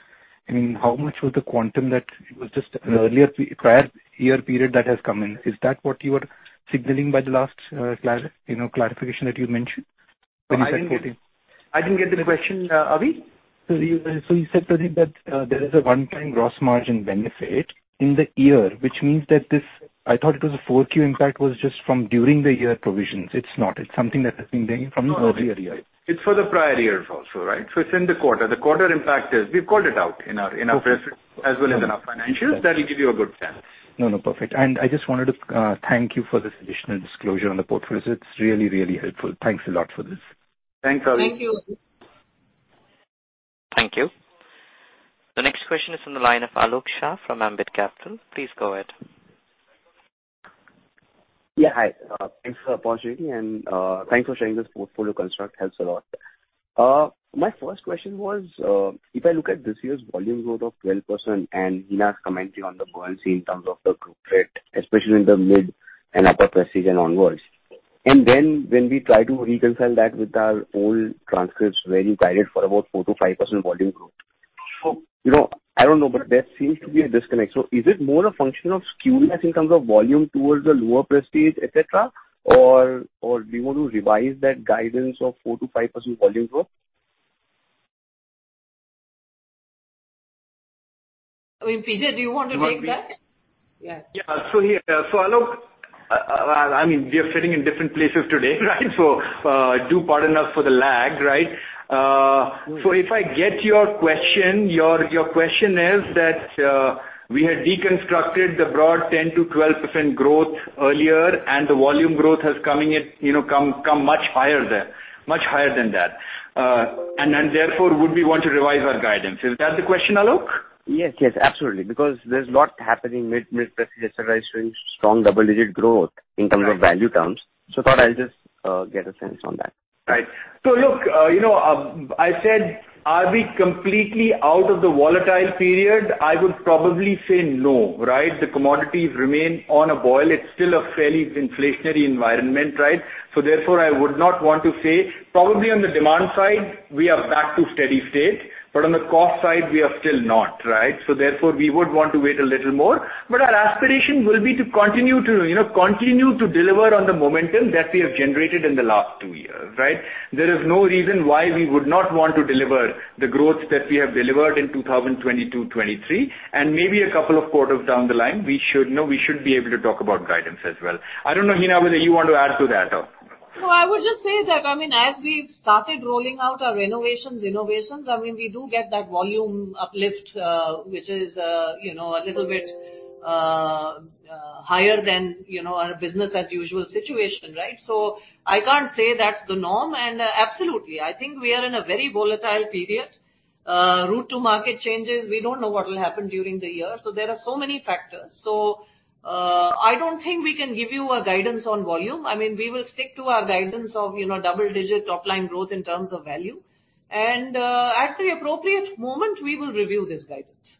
I mean, how much was the quantum that it was just an earlier prior year period that has come in? Is that what you were signaling by the last, you know, clarification that you mentioned? I didn't get the question, Avi. You said, Pradeep, that there is a one-time gross margin benefit in the year, which means that I thought it was a 4Q impact was just from during the year provisions. It's not. It's something that has been there from earlier years. It's for the prior years also, right? It's in the quarter. The quarter impact is. We've called it out in our. Okay. As well as in our financials. That'll give you a good sense. No, no. Perfect. I just wanted to thank you for this additional disclosure on the portfolio. It's really, really helpful. Thanks a lot for this. Thanks, Avi. Thank you. Thank you. The next question is from the line of Alok Shah from Ambit Capital. Please go ahead. Yeah. Hi. Thanks for the opportunity and thanks for sharing this portfolio construct. Helps a lot. My first question was, if I look at this year's volume growth of 12% and Hina's commentary on the buoyancy in terms of the group fit, especially in the mid and upper prestige and onwards. When we try to reconcile that with our old transcripts where you guided for about 4%-5% volume growth. You know, I don't know, but there seems to be a disconnect. Is it more a function of skewness in terms of volume towards the lower prestige, et cetera? Or do you want to revise that guidance of 4%-5% volume growth? I mean, PJ, do you want to take that? Yeah. So, Alok, I mean, we are sitting in different places today, right? Do pardon us for the lag, right? If I get your question, your question is that we had deconstructed the broad 10%-12% growth earlier, and the volume growth has coming in, you know, come much higher there, much higher than that. Therefore, would we want to revise our guidance? Is that the question, Alok? Yes, yes, absolutely. There's lot happening mid-prestige, et cetera, showing strong double-digit growth in terms of value terms. Thought I'll just get a sense on that. Right. Look, you know, I said, are we completely out of the volatile period? I would probably say no, right? The commodities remain on a boil. It's still a fairly inflationary environment, right? Therefore, I would not want to say. Probably on the demand side, we are back to steady state, but on the cost side, we are still not, right? Therefore, we would want to wait a little more. Our aspiration will be to continue to, you know, continue to deliver on the momentum that we have generated in the last two years, right? There is no reason why we would not want to deliver the growth that we have delivered in 2022, 2023, and maybe a couple of quarters down the line, we should, you know, we should be able to talk about guidance as well. I don't know, Hina, whether you want to add to that or... I would just say that, I mean, as we've started rolling out our renovations, innovations, I mean, we do get that volume uplift, which is, you know, a little bit higher than, you know, our business as usual situation, right? I can't say that's the norm. Absolutely, I think we are in a very volatile period. Route to market changes, we don't know what will happen during the year, so there are so many factors. I don't think we can give you a guidance on volume. I mean, we will stick to our guidance of, you know, double-digit top-line growth in terms of value. At the appropriate moment, we will review this guidance.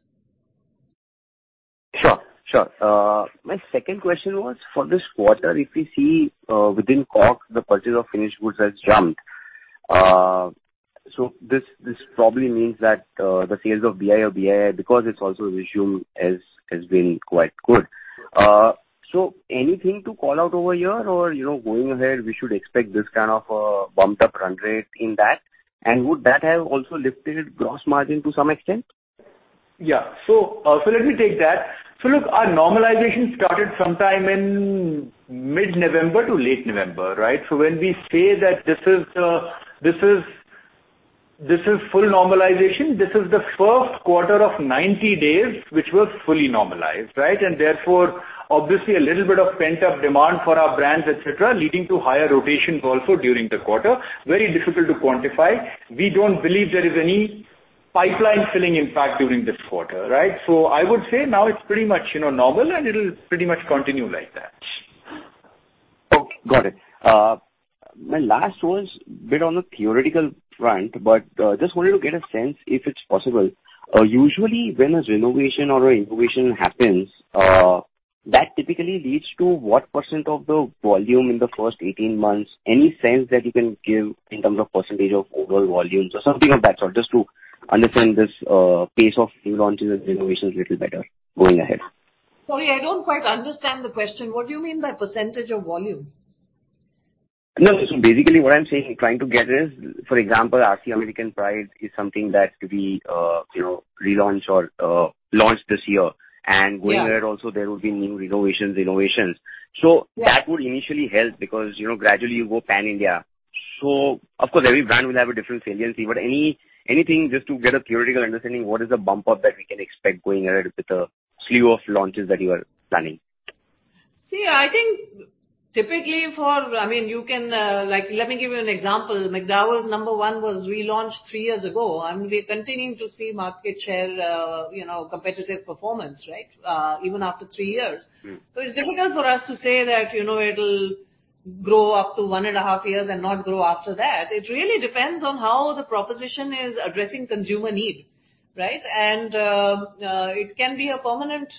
Sure, sure. My second question was for this quarter, if we see, within COGS, the purchase of finished goods has jumped. This probably means that the sales of BI or BII, because it's also resumed, has been quite good. Anything to call out over here or, you know, going ahead, we should expect this kind of bumped up run rate in that? Would that have also lifted gross margin to some extent? Yeah. So let me take that. Look, our normalization started sometime in mid-November to late November, right? When we say that this is full normalization, this is the first quarter of 90 days which was fully normalized, right? Therefore, obviously a little bit of pent-up demand for our brands, et cetera, leading to higher rotations also during the quarter. Very difficult to quantify. We don't believe there is any pipeline filling impact during this quarter, right? I would say now it's pretty much, you know, normal, and it'll pretty much continue like that. Got it. My last was a bit on the theoretical front, but just wanted to get a sense if it's possible. Usually when a renovation or an innovation happens, that typically leads to what percent of the volume in the first 18 months? Any sense that you can give in terms of percentage of overall volumes or something of that sort just to understand this pace of new launches and renovations a little better going ahead. Sorry, I don't quite understand the question. What do you mean by percentage of volume? Basically what I'm saying, trying to get is, for example, RC American Pride is something that could be, you know, relaunched or launched this year. Yeah. Going ahead also there will be new renovations, innovations. Yeah. That would initially help because, you know, gradually you go pan-India. Of course, every brand will have a different saliency. Anything just to get a theoretical understanding, what is the bump up that we can expect going ahead with the slew of launches that you are planning? I mean, you can, like, let me give you an example. McDowell's Number One was relaunched three years ago, we're continuing to see market share, you know, competitive performance, right, even after three years. Mm-hmm. It's difficult for us to say that, you know, it'll grow up to 1.5 years and not grow after that. It really depends on how the proposition is addressing consumer need, right? It can be a permanent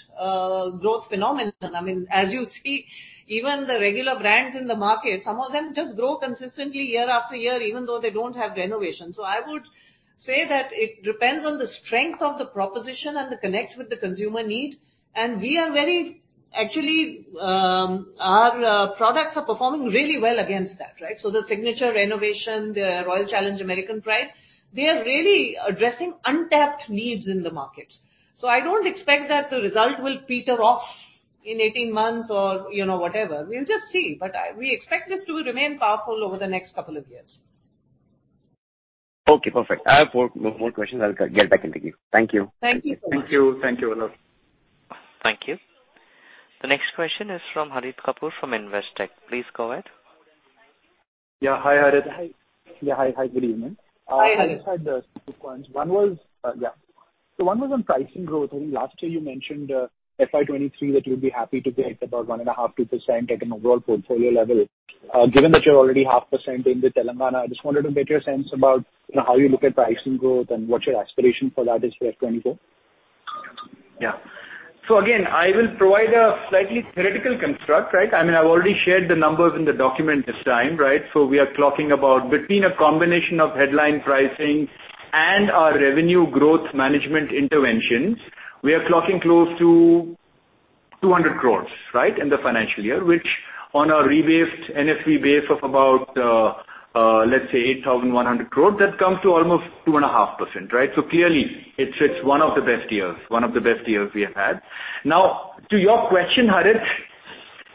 growth phenomenon. I mean, as you see, even the regular brands in the market, some of them just grow consistently year after year, even though they don't have renovations. I would say that it depends on the strength of the proposition and the connect with the consumer need. Actually, our products are performing really well against that, right? The Signature renovation, the Royal Challenge American Pride, they are really addressing untapped needs in the markets. I don't expect that the result will peter off in 18 months or, you know, whatever. We'll just see. We expect this to remain powerful over the next couple of years. Okay, perfect. I have four more questions. I'll get back in the queue. Thank you. Thank you. Thank you. Thank you, Alok. Thank you. The next question is from Harit Kapoor from Investec. Please go ahead. Yeah, hi, Harit. Yeah. Hi. Hi. Good evening. Hi, Harit. I just had two quick ones. One was, yeah. One was on pricing growth. I think last year you mentioned FY 2023 that you'd be happy to be at about 1.5%, 2% at an overall portfolio level. Given that you're already 0.5% in the Telangana, I just wanted to get your sense about, you know, how you look at pricing growth and what your aspiration for that is for FY 2024. Yeah. Again, I will provide a slightly theoretical construct, right? I mean, I've already shared the numbers in the document this time, right? We are clocking about between a combination of headline pricing and our revenue growth management interventions. We are clocking close to 200 crores, right, in the financial year, which on a rebased NFV base of about, let's say 8,100 crores, that comes to almost 2.5%, right? Clearly it's one of the best years we have had. Now, to your question, Harit,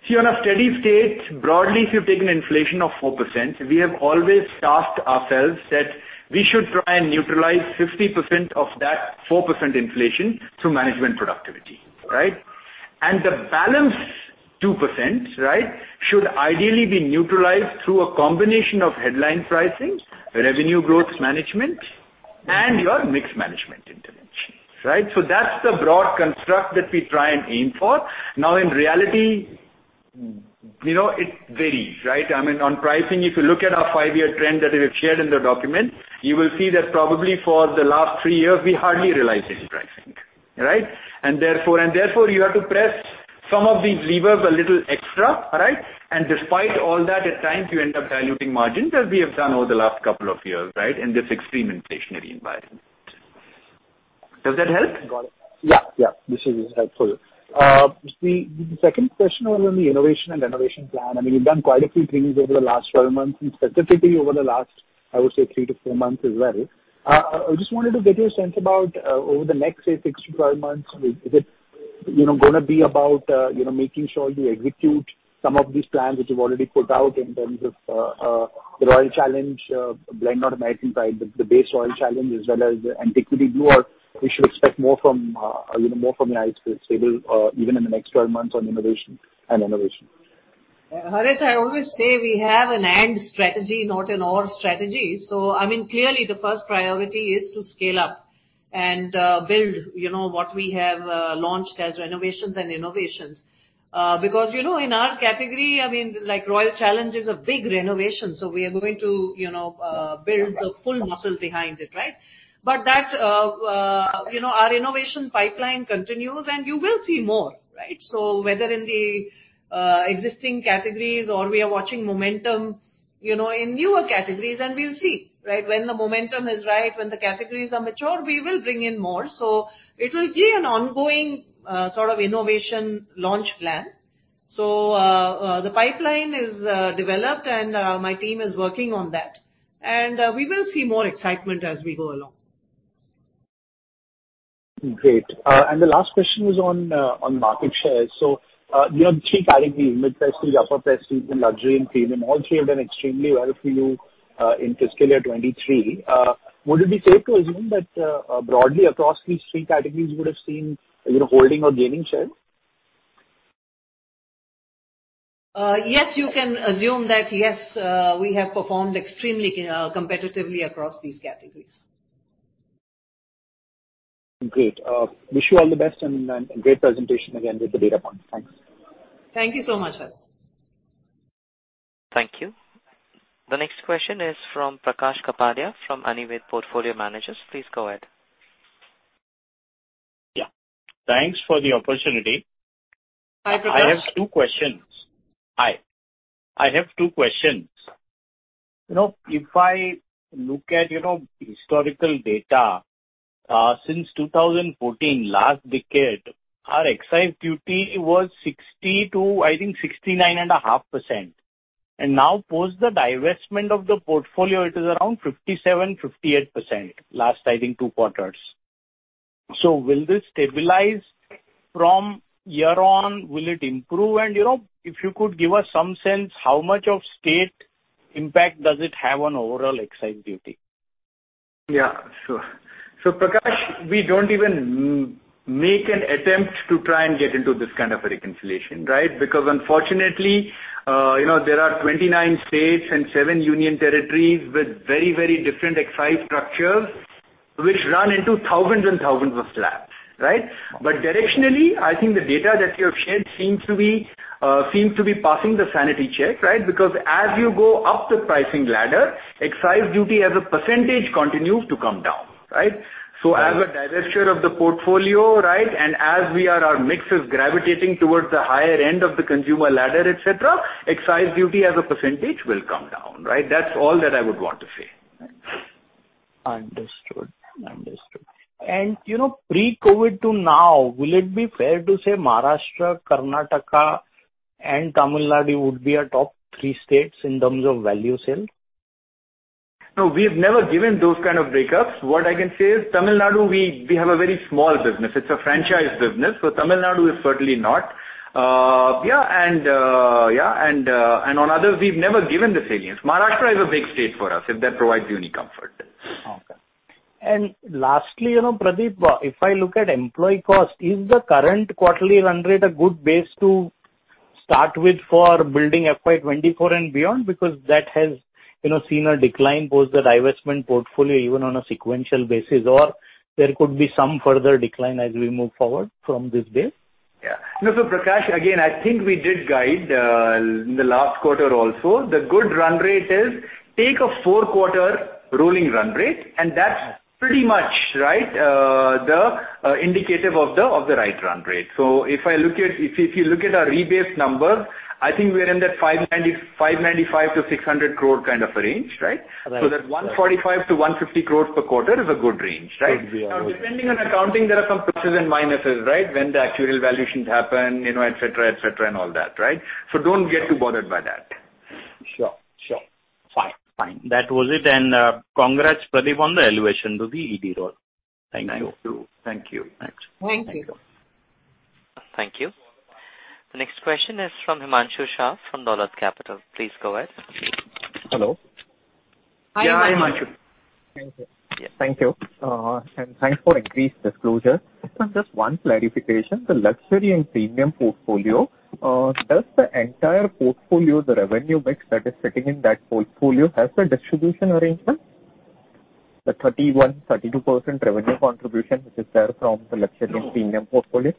see, on a steady state, broadly, if you've taken inflation of 4%, we have always tasked ourselves that we should try and neutralize 50% of that 4% inflation through management productivity, right? The balance 2%, right, should ideally be neutralized through a combination of headline pricing, revenue growth management, and your mix management intervention. Right. That's the broad construct that we try and aim for. In reality, you know, it varies, right? I mean, on pricing, if you look at our five year trend that we have shared in the document, you will see that probably for the last three years, we hardly realized any pricing, right? Therefore, you have to press some of these levers a little extra, right? Despite all that, at times you end up diluting margins as we have done over the last two years, right? In this extreme inflationary environment. Does that help? Got it. Yeah. Yeah. This is helpful. The second question was on the innovation and renovation plan. I mean, you've done quite a few things over the last 12 months and specifically over the last, I would say 3-4 months as well. I just wanted to get your sense about over the next, say, 6-12 months, is it, you know, gonna be about, you know, making sure you execute some of these plans which you've already put out in terms of Royal Challenge blend or American Pride, the base Royal Challenge as well as Antiquity Blue? Or we should expect more from, you know, more from your high streets table even in the next 12 months on innovation and innovation. Harit, I always say we have an and strategy, not an or strategy. I mean, clearly the first priority is to scale up and build, you know, what we have launched as renovations and innovations. Because, you know, in our category, I mean, like Royal Challenge is a big renovation, we are going to, you know, build the full muscle behind it, right? That, you know, our innovation pipeline continues, and you will see more, right? Whether in the existing categories or we are watching momentum, you know, in newer categories, and we'll see, right? When the momentum is right, when the categories are mature, we will bring in more. It will be an ongoing sort of innovation launch plan. The pipeline is developed, and my team is working on that. We will see more excitement as we go along. Great. The last question was on on market share. You have three categories: mid-price to upper price point, luxury and premium. All three have done extremely well for you in fiscal year 2023. Would it be safe to assume that broadly across these three categories you would have seen, you know, holding or gaining share? Yes, you can assume that, yes, we have performed extremely, competitively across these categories. Great. Wish you all the best and great presentation again with the data points. Thanks. Thank you so much, Harit. Thank you. The next question is from Prakash Kapadia from Anived Portfolio Managers. Please go ahead. Yeah. Thanks for the opportunity. Hi, Prakash. I have two questions. Hi. I have two questions. You know, if I look at, you know, historical data, since 2014, last decade, our excise duty was 60% to, I think, 69.5%. Now post the divestment of the portfolio, it is around 57%-58%, last I think two quarters. Will this stabilize from year on? Will it improve? You know, if you could give us some sense, how much of state impact does it have on overall excise duty? Yeah, sure. Prakash, we don't even make an attempt to try and get into this kind of a reconciliation, right? Unfortunately, you know, there are 29 states and seven union territories with very, very different excise structures which run into thousands and thousands of slabs, right? Directionally, I think the data that you have shared seems to be passing the sanity check, right? Because as you go up the pricing ladder, excise duty as a percentage continues to come down, right? As a divesture of the portfolio, right, and as our mix is gravitating towards the higher end of the consumer ladder, et cetera, excise duty as a percentage will come down, right? That's all that I would want to say. Understood. Understood. You know, pre-COVID to now, will it be fair to say Maharashtra, Karnataka and Tamil Nadu would be our top three states in terms of value sale? No, we've never given those kind of breakups. What I can say is Tamil Nadu, we have a very small business. It's a franchise business. Tamil Nadu is certainly not. Yeah, and on others, we've never given the salience. Maharashtra is a big state for us, if that provides you any comfort. Okay. Lastly, you know, Pradeep, if I look at employee cost, is the current quarterly run rate a good base to start with for building FY 2024 and beyond? Because that has, you know, seen a decline post the divestment portfolio even on a sequential basis. There could be some further decline as we move forward from this base. Yeah. No, Prakash, again, I think we did guide in the last quarter also. The good run rate is take a 4-quarter rolling run rate, that's pretty much, right, indicative of the right run rate. If you look at our rebase number, I think we're in that 590, 595 to 600 crore kind of a range, right? Right. That 145 crores-150 crores per quarter is a good range, right? Could be, yeah. Now, depending on accounting, there are some pluses and minuses, right? When the actuarial valuations happen, you know, et cetera, et cetera, and all that, right? Don't get too bothered by that. Sure. Sure. Fine. Fine. That was it. Congrats, Pradeep, on the elevation to the ED role. Thank you. Thank you. Thank you. Thank you. Thank you. The next question is from Himanshu Shah from Dolat Capital. Please go ahead. Hello. Hi, Himanshu. Yeah, Himanshu. Thank you. Thank you. Thanks for increased disclosure. Just one clarification. The luxury and premium portfolio, does the entire portfolio, the revenue mix that is sitting in that portfolio, have a distribution arrangement? The 31%, 32% revenue contribution which is there from the luxury and premium portfolio.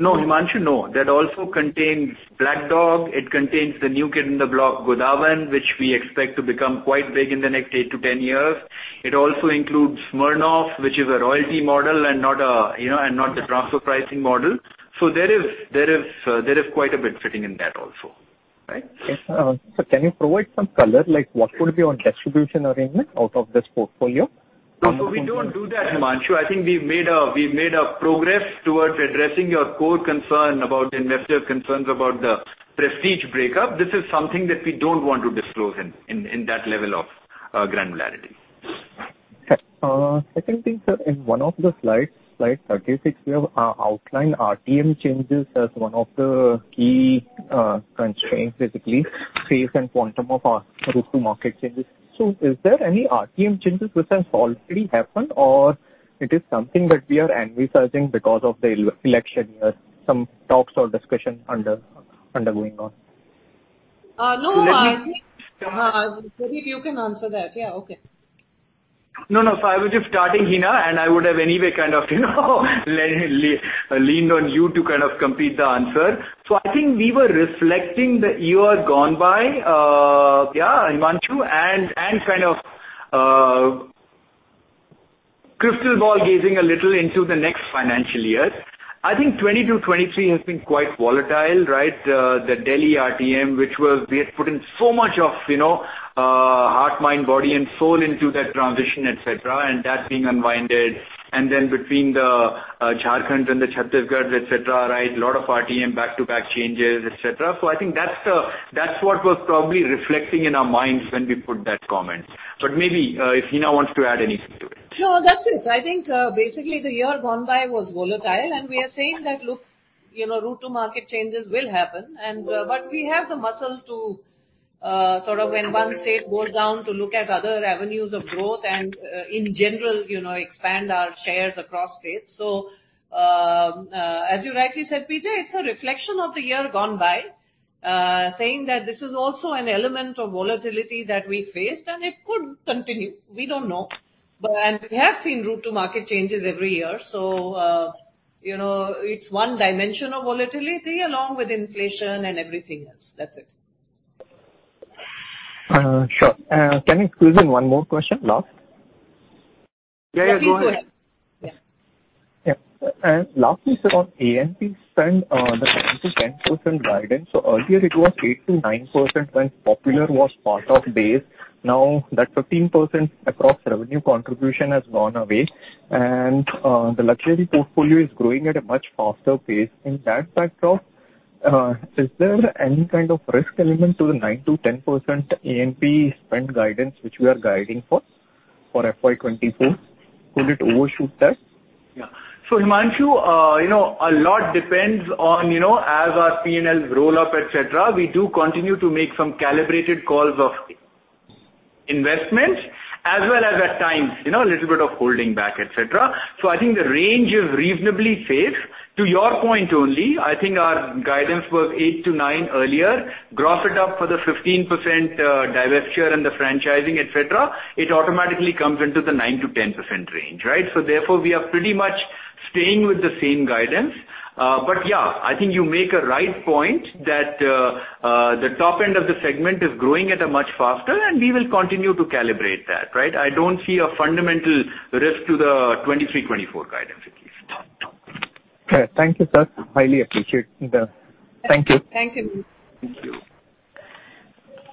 No, Himanshu, no. That also contains Black Dog. It contains the new kid in the block, Godawan, which we expect to become quite big in the next eight to 10 years. It also includes Smirnoff, which is a royalty model and not a, you know, and not the transfer pricing model. There is quite a bit fitting in that also, right? Can you provide some color, like what could be your distribution arrangement out of this portfolio? We don't do that, Himanshu. I think we've made a progress towards addressing your core concern about investor's concerns about the prestige breakup. This is something that we don't want to disclose in that level of granularity. Second thing, sir, in one of the slides, slide 36, we have outlined RTM changes as one of the key constraints, basically phase and quantum of route to market changes. Is there any RTM changes which has already happened or it is something that we are envisaging because of the election year, some talks or discussions undergoing on? No. I think Pradeep, you can answer that. Yeah. Okay. No, no. I was just starting, Hina, and I would have anyway kind of, you know, leaned on you to kind of complete the answer. I think we were reflecting the year gone by, yeah, Himanshu and kind of crystal ball gazing a little into the next financial year. I think 2022, 2023 has been quite volatile, right? The Delhi RTM, which was... We had put in so much of, you know, heart, mind, body and soul into that transition, et cetera, and that being unwinded and then between the Jharkhand and the Chhattisgarh, et cetera, right? A lot of RTM back-to-back changes, et cetera. I think that's what was probably reflecting in our minds when we put that comment. Maybe if Hina wants to add anything to it. No, that's it. I think, basically the year gone by was volatile, and we are saying that, look, you know, route to market changes will happen and, but we have the muscle to, sort of when one state goes down to look at other avenues of growth and, in general, you know, expand our shares across states. As you rightly said, PJ, it's a reflection of the year gone by, saying that this is also an element of volatility that we faced and it could continue. We don't know. We have seen route to market changes every year. You know, it's one dimension of volatility along with inflation and everything else. That's it. Sure. Can you squeeze in one more question, last? Yeah, yeah. Go ahead. Yeah. Lastly, sir, on A&P spend, the 10% guidance. Earlier it was 8-9% when Popular was part of base. Now that 15% across revenue contribution has gone away and the luxury portfolio is growing at a much faster pace. In that backdrop, is there any kind of risk element to the 9%-10% A&P spend guidance which we are guiding for FY 2024? Could it overshoot that? Yeah. Himanshu, you know, a lot depends on, you know, as our P&L roll up, et cetera, we do continue to make some calibrated calls of investments as well as at times, you know, a little bit of holding back, et cetera. I think the range is reasonably safe. To your point only, I think our guidance was 8%-9% earlier. Gross it up for the 15% divestiture and the franchising, et cetera, it automatically comes into the 9%-10% range, right? Therefore, we are pretty much staying with the same guidance. Yeah, I think you make a right point that the top end of the segment is growing at a much faster, and we will continue to calibrate that, right? I don't see a fundamental risk to the 2023-2024 guidance at least. Okay. Thank you, sir. Highly appreciate the. Thank you. Thank you. Thank you.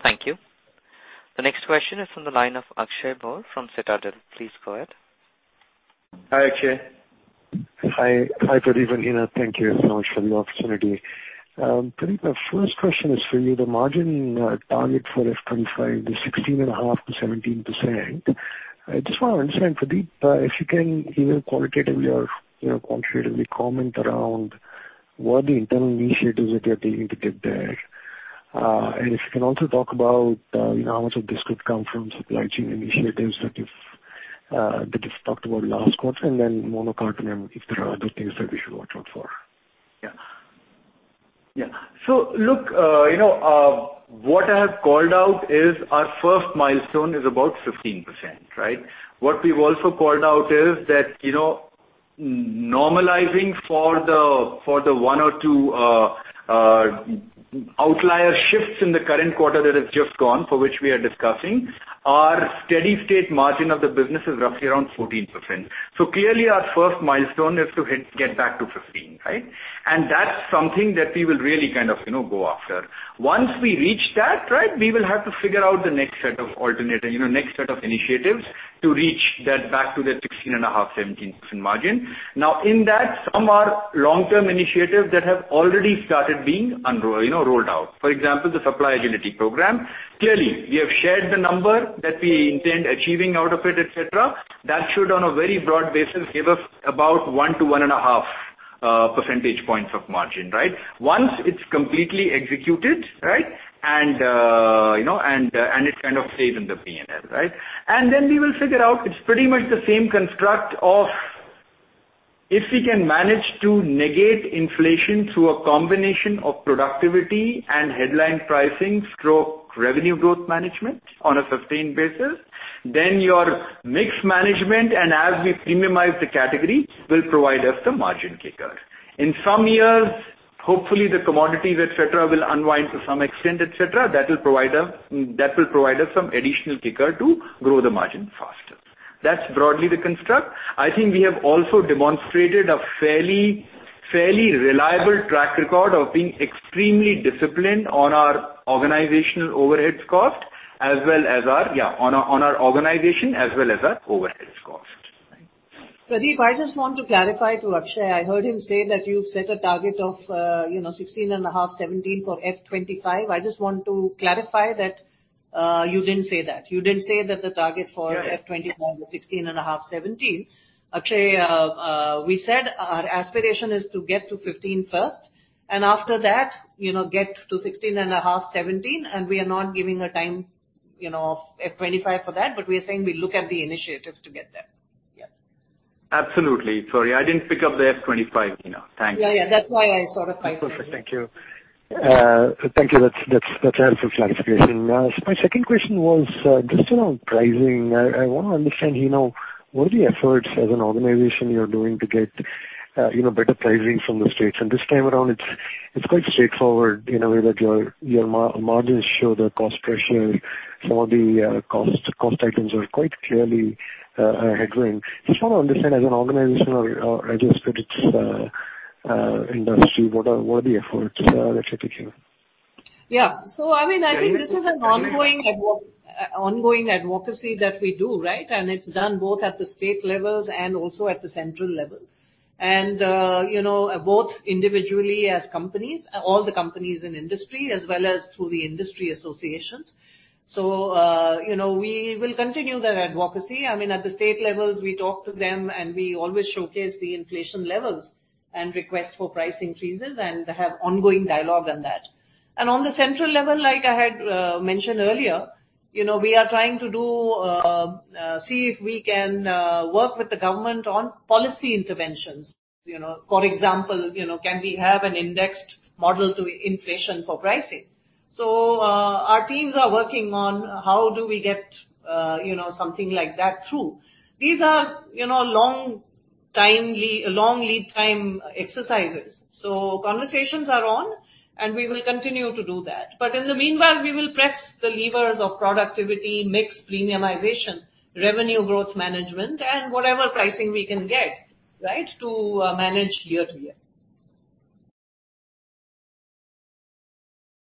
Thank you. The next question is from the line of Akshay Bhor from Citadel. Please go ahead. Hi, Akshay. Hi. Hi, Pradeep and Hina. Thank you so much for the opportunity. Pradeep, my first question is for you. The margin target for FY 2025 is 16.5%-17%. I just want to understand, Pradeep, if you can either qualitatively or, you know, quantitatively comment around what the internal initiatives that you are taking to get there. If you can also talk about, you know, how much of this could come from supply chain initiatives that you've talked about last quarter, and then mono carton and if there are other things that we should watch out for. Yeah. Look, you know, what I have called out is our first milestone is about 15%, right. What we've also called out is that, you know, normalizing for the one or two outlier shifts in the current quarter that has just gone for which we are discussing, our steady state margin of the business is roughly around 14%. Clearly our first milestone is to get back to 15, right. That's something that we will really kind of, you know, go after. Once we reach that, right, we will have to figure out the next set of alternate, you know, next set of initiatives to reach that back to the 16.5%-17% margin. In that, some are long-term initiatives that have already started being rolled out. For example, the supply agility program. Clearly, we have shared the number that we intend achieving out of it, et cetera. That should, on a very broad basis, give us about 1 to 1.5 percentage points of margin, right? Once it's completely executed, right, you know, and it kind of stays in the P&L, right? Then we will figure out it's pretty much the same construct. If we can manage to negate inflation through a combination of productivity and headline pricing stroke revenue growth management on a sustained basis, then your mix management and as we premiumize the category, will provide us the margin kicker. In some years, hopefully, the commodities, et cetera, will unwind to some extent, et cetera. That will provide us some additional kicker to grow the margin faster. That's broadly the construct. I think we have also demonstrated a fairly reliable track record of being extremely disciplined on our organizational overheads cost on our organization as well as our overheads cost. Pradeep, I just want to clarify to Akshay. I heard him say that you've set a target of, you know, 16.5%, 17% for FY 2025. I just want to clarify that, you didn't say that. You didn't say that. Yeah, yeah. FY 2025 was 16.5, 17. Akshay, we said our aspiration is to get to 15 first. After that, you know, get to 16.5, 17. We are not giving a time, you know, FY 2025 for that. We are saying we look at the initiatives to get there. Yeah. Absolutely. Sorry, I didn't pick up the FY 2025, you know. Thank you. Yeah, yeah. That's why I sort of. That's okay. Thank you. Thank you. That's helpful clarification. My second question was just around pricing. I wanna understand, you know, what are the efforts as an organization you're doing to get, you know, better pricing from the states? This time around it's quite straightforward in a way that your margins show the cost pressure for the cost items are quite clearly headroom. Just wanna understand as an organization or I guess it's industry, what are the efforts that you're taking? Yeah. I mean, I think this is an ongoing advocacy that we do, right? It's done both at the state levels and also at the central level. You know, both individually as companies, all the companies in industry, as well as through the industry associations. You know, we will continue that advocacy. I mean, at the state levels we talk to them, and we always showcase the inflation levels and request for price increases, and have ongoing dialogue on that. On the central level, like I had mentioned earlier, you know, we are trying to do, see if we can work with the government on policy interventions. You know, for example, you know, can we have an indexed model to inflation for pricing? Our teams are working on how do we get, you know, something like that through. These are, you know, long lead time exercises. Conversations are on, and we will continue to do that. In the meanwhile, we will press the levers of productivity, mix premiumization, revenue growth management, and whatever pricing we can get, right, to manage year to year.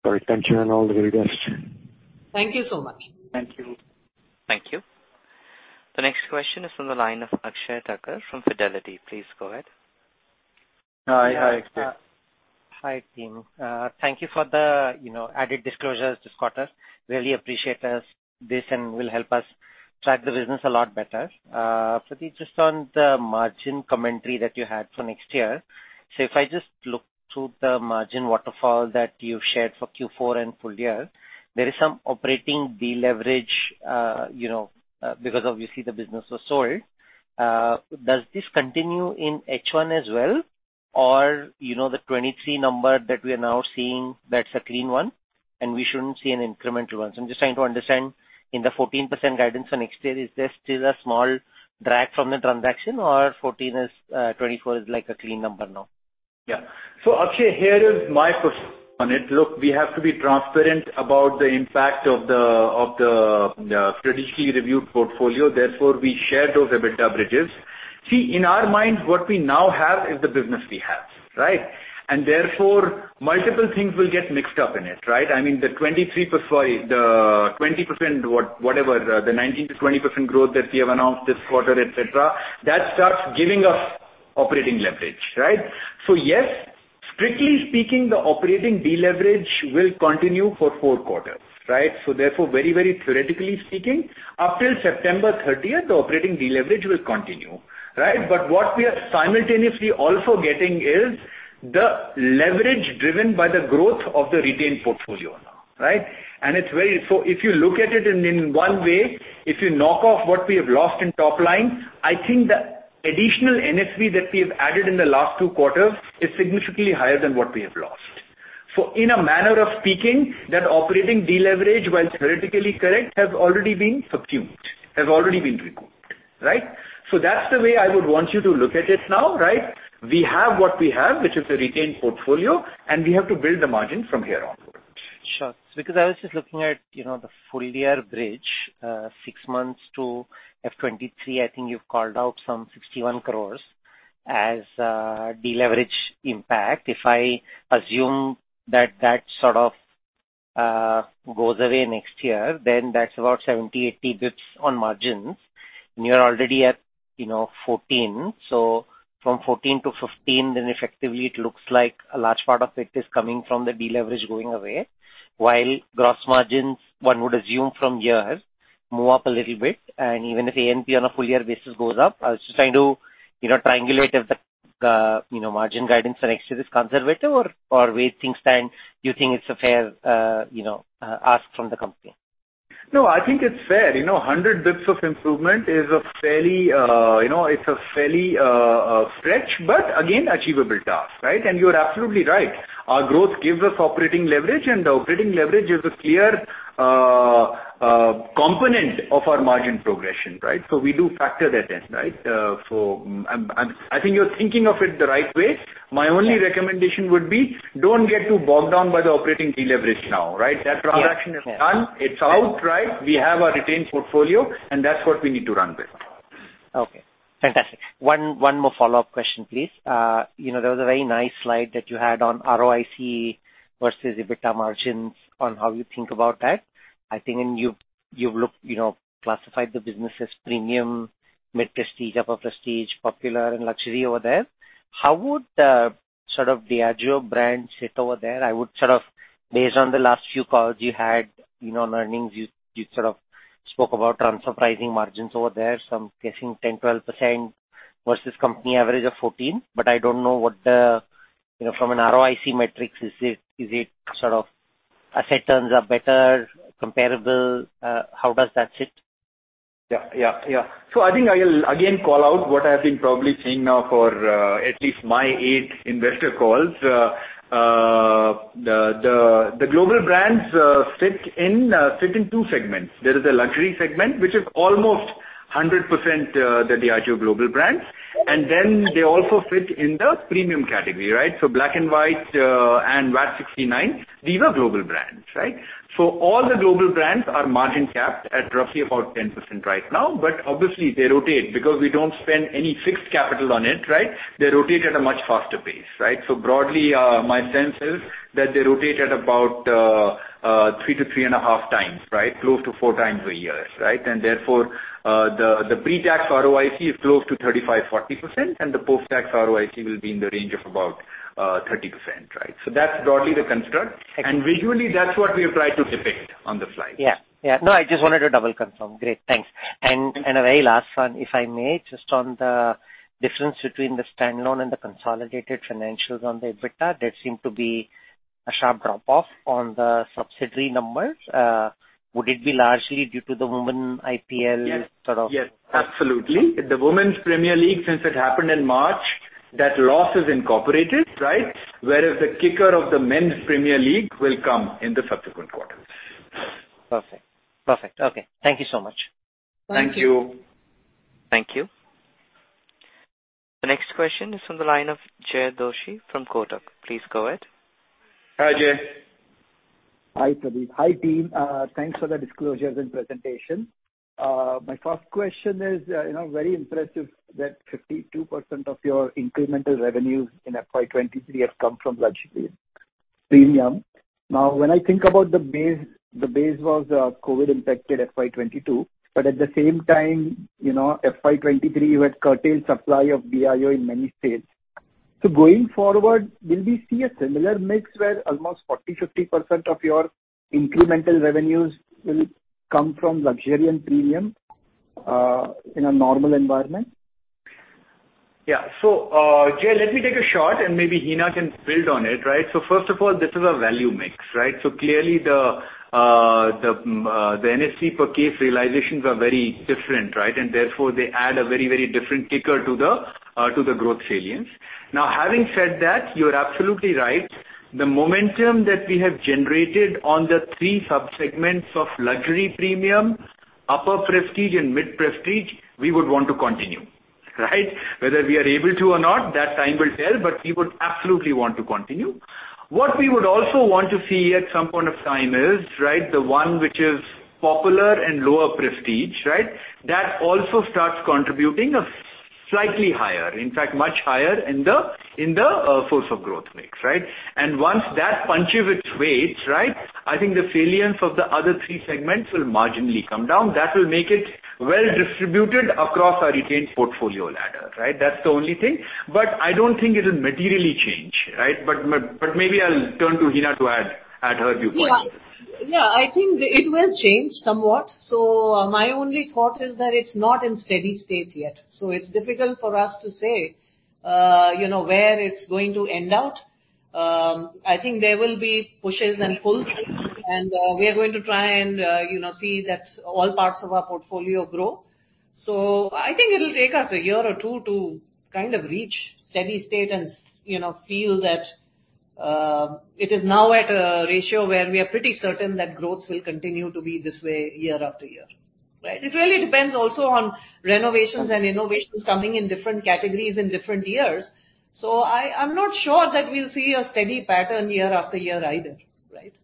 All right. Thank you and all the very best. Thank you so much. Thank you. Thank you. The next question is from the line of Akshen Thakkar from Fidelity. Please go ahead. Hi. Hi, Akshay. Hi, team. Thank you for the, you know, added disclosures this quarter. Really appreciate this and will help us track the business a lot better. Pradeep, just on the margin commentary that you had for next year. If I just look through the margin waterfall that you've shared for Q4 and full year, there is some operating deleverage, you know, because obviously the business was sold. Does this continue in H1 as well, or you know the 23 number that we are now seeing, that's a clean one, and we shouldn't see an incremental one? I'm just trying to understand in the 14% guidance for next year, is there still a small drag from the transaction or 14 is, 24 is like a clean number now? Yeah. Akshay, here is my perspective on it. Look, we have to be transparent about the impact of the strategically reviewed portfolio, therefore, we share those EBITDA bridges. See, in our minds, what we now have is the business we have, right? Therefore, multiple things will get mixed up in it, right? I mean, the 19%-20% growth that we have announced this quarter, et cetera, that starts giving us operating leverage, right? Yes, strictly speaking, the operating deleverage will continue for four quarters, right? Therefore, very, very theoretically speaking, up till September 30th, the operating deleverage will continue, right? What we are simultaneously also getting is the leverage driven by the growth of the retained portfolio now, right? It's very... If you look at it in one way, if you knock off what we have lost in top line, I think the additional NSV that we have added in the last two quarters is significantly higher than what we have lost. In a manner of speaking, that operating deleverage, while theoretically correct, has already been subsumed, has already been recouped, right? That's the way I would want you to look at it now, right? We have what we have, which is the retained portfolio, and we have to build the margin from here onwards. Sure. I was just looking at, you know, the full year bridge, six months to FY 2023, I think you've called out some 61 crores as deleverage impact. If I assume that that sort of goes away next year, then that's about 70-80 basis points on margins. You're already at, you know, 14%. From 14% to 15%, then effectively it looks like a large part of it is coming from the deleverage going away. Gross margins, one would assume from here, move up a little bit, and even if A&P on a full year basis goes up. I was just trying to, you know, triangulate if the, you know, margin guidance for next year is conservative or way things stand, you think it's a fair, you know, ask from the company. No, I think it's fair. You know, 100 basis points of improvement is a fairly, you know, it's a fairly stretch, but again, achievable task, right? You're absolutely right. Our growth gives us operating leverage, and operating leverage is a clear component of our margin progression, right? We do factor that in, right? I think you're thinking of it the right way. My only recommendation would be don't get too bogged down by the operating deleverage now, right? Yes. Yes. That transaction is done. It's out, right? We have our retained portfolio and that's what we need to run with. Okay, fantastic. One more follow-up question, please. You know, there was a very nice slide that you had on ROIC versus EBITDA margins on how you think about that. I think you've looked, you know, classified the business as premium, mid prestige, upper prestige, popular and luxury over there. How would the sort of Diageo brands sit over there? Based on the last few calls you had, you know, on earnings, you sort of spoke about transfer pricing margins over there, so I'm guessing 10%, 12% versus company average of 14. I don't know. You know, from an ROIC metrics, is it sort of asset turns are better comparable? How does that sit? Yeah, yeah. I think I will again call out what I've been probably saying now for at least my eight investor calls. The global brands sit in two segments. There is a luxury segment, which is almost 100% the Diageo global brands, and then they also fit in the premium category, right? Black & White and VAT 69, these are global brands, right? All the global brands are margin capped at roughly about 10% right now. Obviously they rotate because we don't spend any fixed capital on it, right? They rotate at a much faster pace, right? Broadly, my sense is that they rotate at about 3x to 3.5x, close to 4x a year, right? Therefore, the pre-tax ROIC is close to 35%-40%, and the post-tax ROIC will be in the range of about 30%, right? That's broadly the construct. Excellent. Visually, that's what we apply to depict on the slides. Yeah. Yeah. No, I just wanted to double confirm. Great. Thanks. A very last one, if I may, just on the difference between the standalone and the consolidated financials on the EBITDA, there seemed to be a sharp drop off on the subsidiary numbers. Would it be largely due to the women IPL sort of? Yes. Yes, absolutely. The Women's Premier League, since it happened in March, that loss is incorporated, right? Whereas the kicker of the Men's Premier League will come in the subsequent quarters. Perfect. Perfect. Okay, thank you so much. Thank you. Thank you. The next question is from the line of Jay Doshi from Kotak. Please go ahead. Hi, Jay. Hi, Pradeep. Hi, team. Thanks for the disclosures and presentation. My first question is, you know, very impressive that 52% of your incremental revenues in FY 2023 have come from luxury premium. Now, when I think about the base, the base was COVID impacted FY 2022, but at the same time, you know, FY 2023, you had curtailed supply of Diageo in many states. Going forward, will we see a similar mix where almost 40%, 50% of your incremental revenues will come from luxury and premium in a normal environment? Yeah. Jay, let me take a shot and maybe Hina can build on it, right? First of all, this is a value mix, right? Clearly the NSV per case realizations are very different, right? Therefore, they add a very, very different kicker to the growth salience. Having said that, you're absolutely right. The momentum that we have generated on the three sub-segments of luxury premium, upper prestige and mid prestige, we would want to continue, right? Whether we are able to or not, that time will tell, but we would absolutely want to continue. What we would also want to see at some point of time is, right, the one which is popular and lower prestige, right? That also starts contributing a slightly higher, in fact, much higher in the force of growth mix, right? Once that punches its weight, right, I think the salience of the other three segments will marginally come down. That will make it well distributed across our retained portfolio ladder, right? That's the only thing. I don't think it'll materially change, right? Maybe I'll turn to Hina to add her viewpoint. Yeah. Yeah, I think it will change somewhat. My only thought is that it's not in steady state yet, so it's difficult for us to say, you know, where it's going to end out. I think there will be pushes and pulls, and, we are going to try and, you know, see that all parts of our portfolio grow. I think it'll take us a year or two to kind of reach steady state and, you know, feel that, it is now at a ratio where we are pretty certain that growth will continue to be this way year after year, right? It really depends also on renovations and innovations coming in different categories in different years. I'm not sure that we'll see a steady pattern year after year either, right?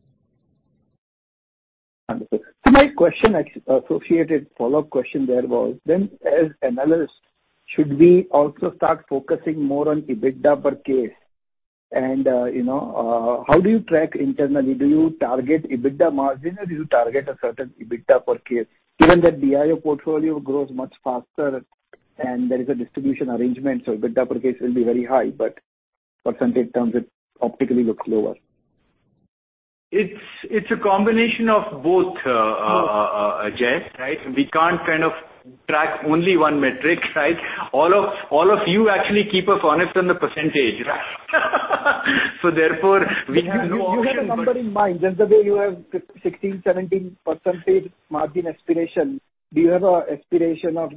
Wonderful. My question, associated follow-up question there was as analysts, should we also start focusing more on EBITDA per case? You know, how do you track internally? Do you target EBITDA margin or do you target a certain EBITDA per case? Given that Diageo portfolio grows much faster and there is a distribution arrangement, so EBITDA per case will be very high, but percentage terms it optically looks lower. It's a combination of both, Jay, right? We can't track only one metric, right? All of you actually keep us honest on the percentage. Therefore, we have no option. You have a number in mind, just the way you have 16, 17% margin aspiration, do you have a aspiration of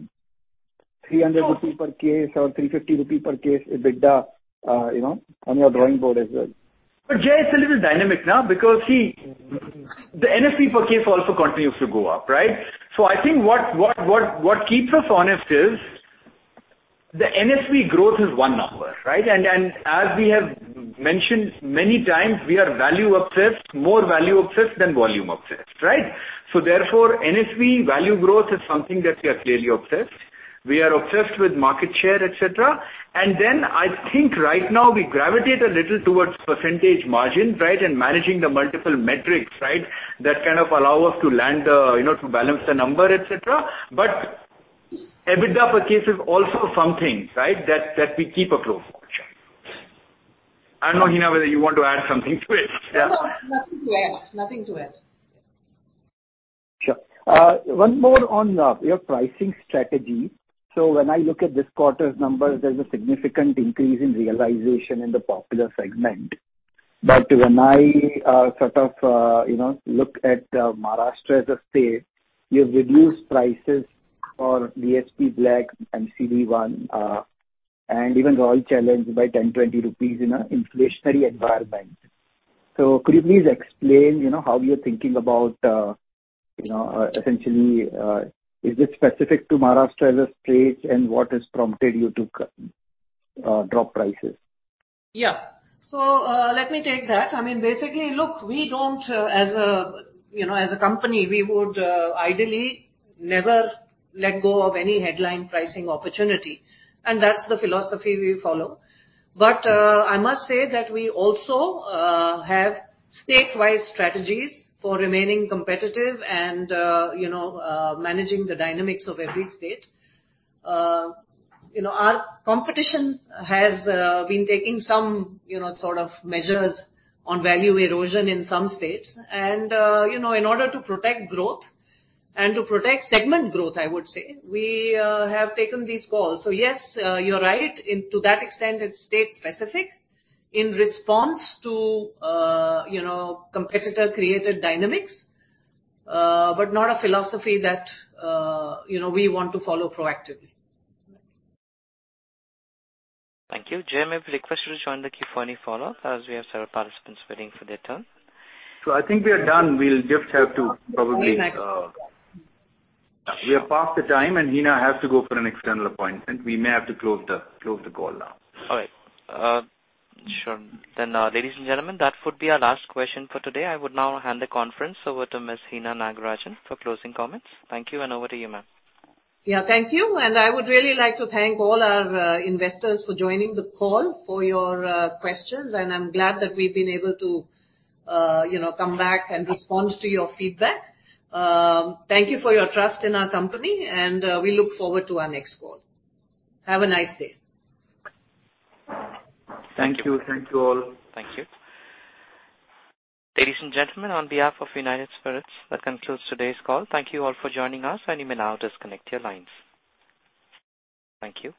300 rupees per case or 350 rupees per case EBITDA, you know, on your drawing board as well? Jay, it's a little dynamic now because, see, the NSV per case also continues to go up, right? I think what keeps us honest is the NSV growth is one number, right? As we have mentioned many times, we are value obsessed, more value obsessed than volume obsessed, right? Therefore, NSV value growth is something that we are clearly obsessed. We are obsessed with market share, et cetera. Then I think right now we gravitate a little towards percentage margin, right? And managing the multiple metrics, right? That kind of allow us to land the, you know, to balance the number, et cetera. EBITDA per case is also something, right, that we keep a close watch on. I don't know, Hina, whether you want to add something to it. No, nothing to add. Nothing to add. Sure. One more on your pricing strategy. When I look at this quarter's numbers, there's a significant increase in realization in the popular segment. When I, sort of, you know, look at Maharashtra as a state, you've reduced prices for V.S.P Black, McD No. 1, and even Royal Challenge by 10-20 rupees in an inflationary environment. Could you please explain, you know, how you're thinking about, you know, essentially, is this specific to Maharashtra as a state and what has prompted you to drop prices? Yeah. Let me take that. I mean, basically, look, we don't, as a, you know, as a company, we would ideally never let go of any headline pricing opportunity, and that's the philosophy we follow. I must say that we also have statewide strategies for remaining competitive and, you know, managing the dynamics of every state. You know, our competition has been taking some, you know, sort of measures on value erosion in some states. In order to protect growth and to protect segment growth, I would say, we have taken these calls. Yes, you're right. To that extent, it's state specific in response to, you know, competitor-created dynamics, but not a philosophy that, you know, we want to follow proactively. Thank you. Jay, may I request you to join the queue for any follow-up, as we have several participants waiting for their turn. I think we are done. We'll just have to probably. We'll meet next. We are past the time, and Hina has to go for an external appointment. We may have to close the call now. All right. Sure. Ladies and gentlemen, that would be our last question for today. I would now hand the conference over to Ms. Hina Nagarajan for closing comments. Thank you. Over to you, ma'am. Yeah, thank you. I would really like to thank all our investors for joining the call, for your questions. I'm glad that we've been able to, you know, come back and respond to your feedback. Thank you for your trust in our company, and we look forward to our next call. Have a nice day. Thank you. Thank you all. Thank you. Ladies and gentlemen, on behalf of United Spirits, that concludes today's call. Thank you all for joining us. You may now disconnect your lines. Thank you.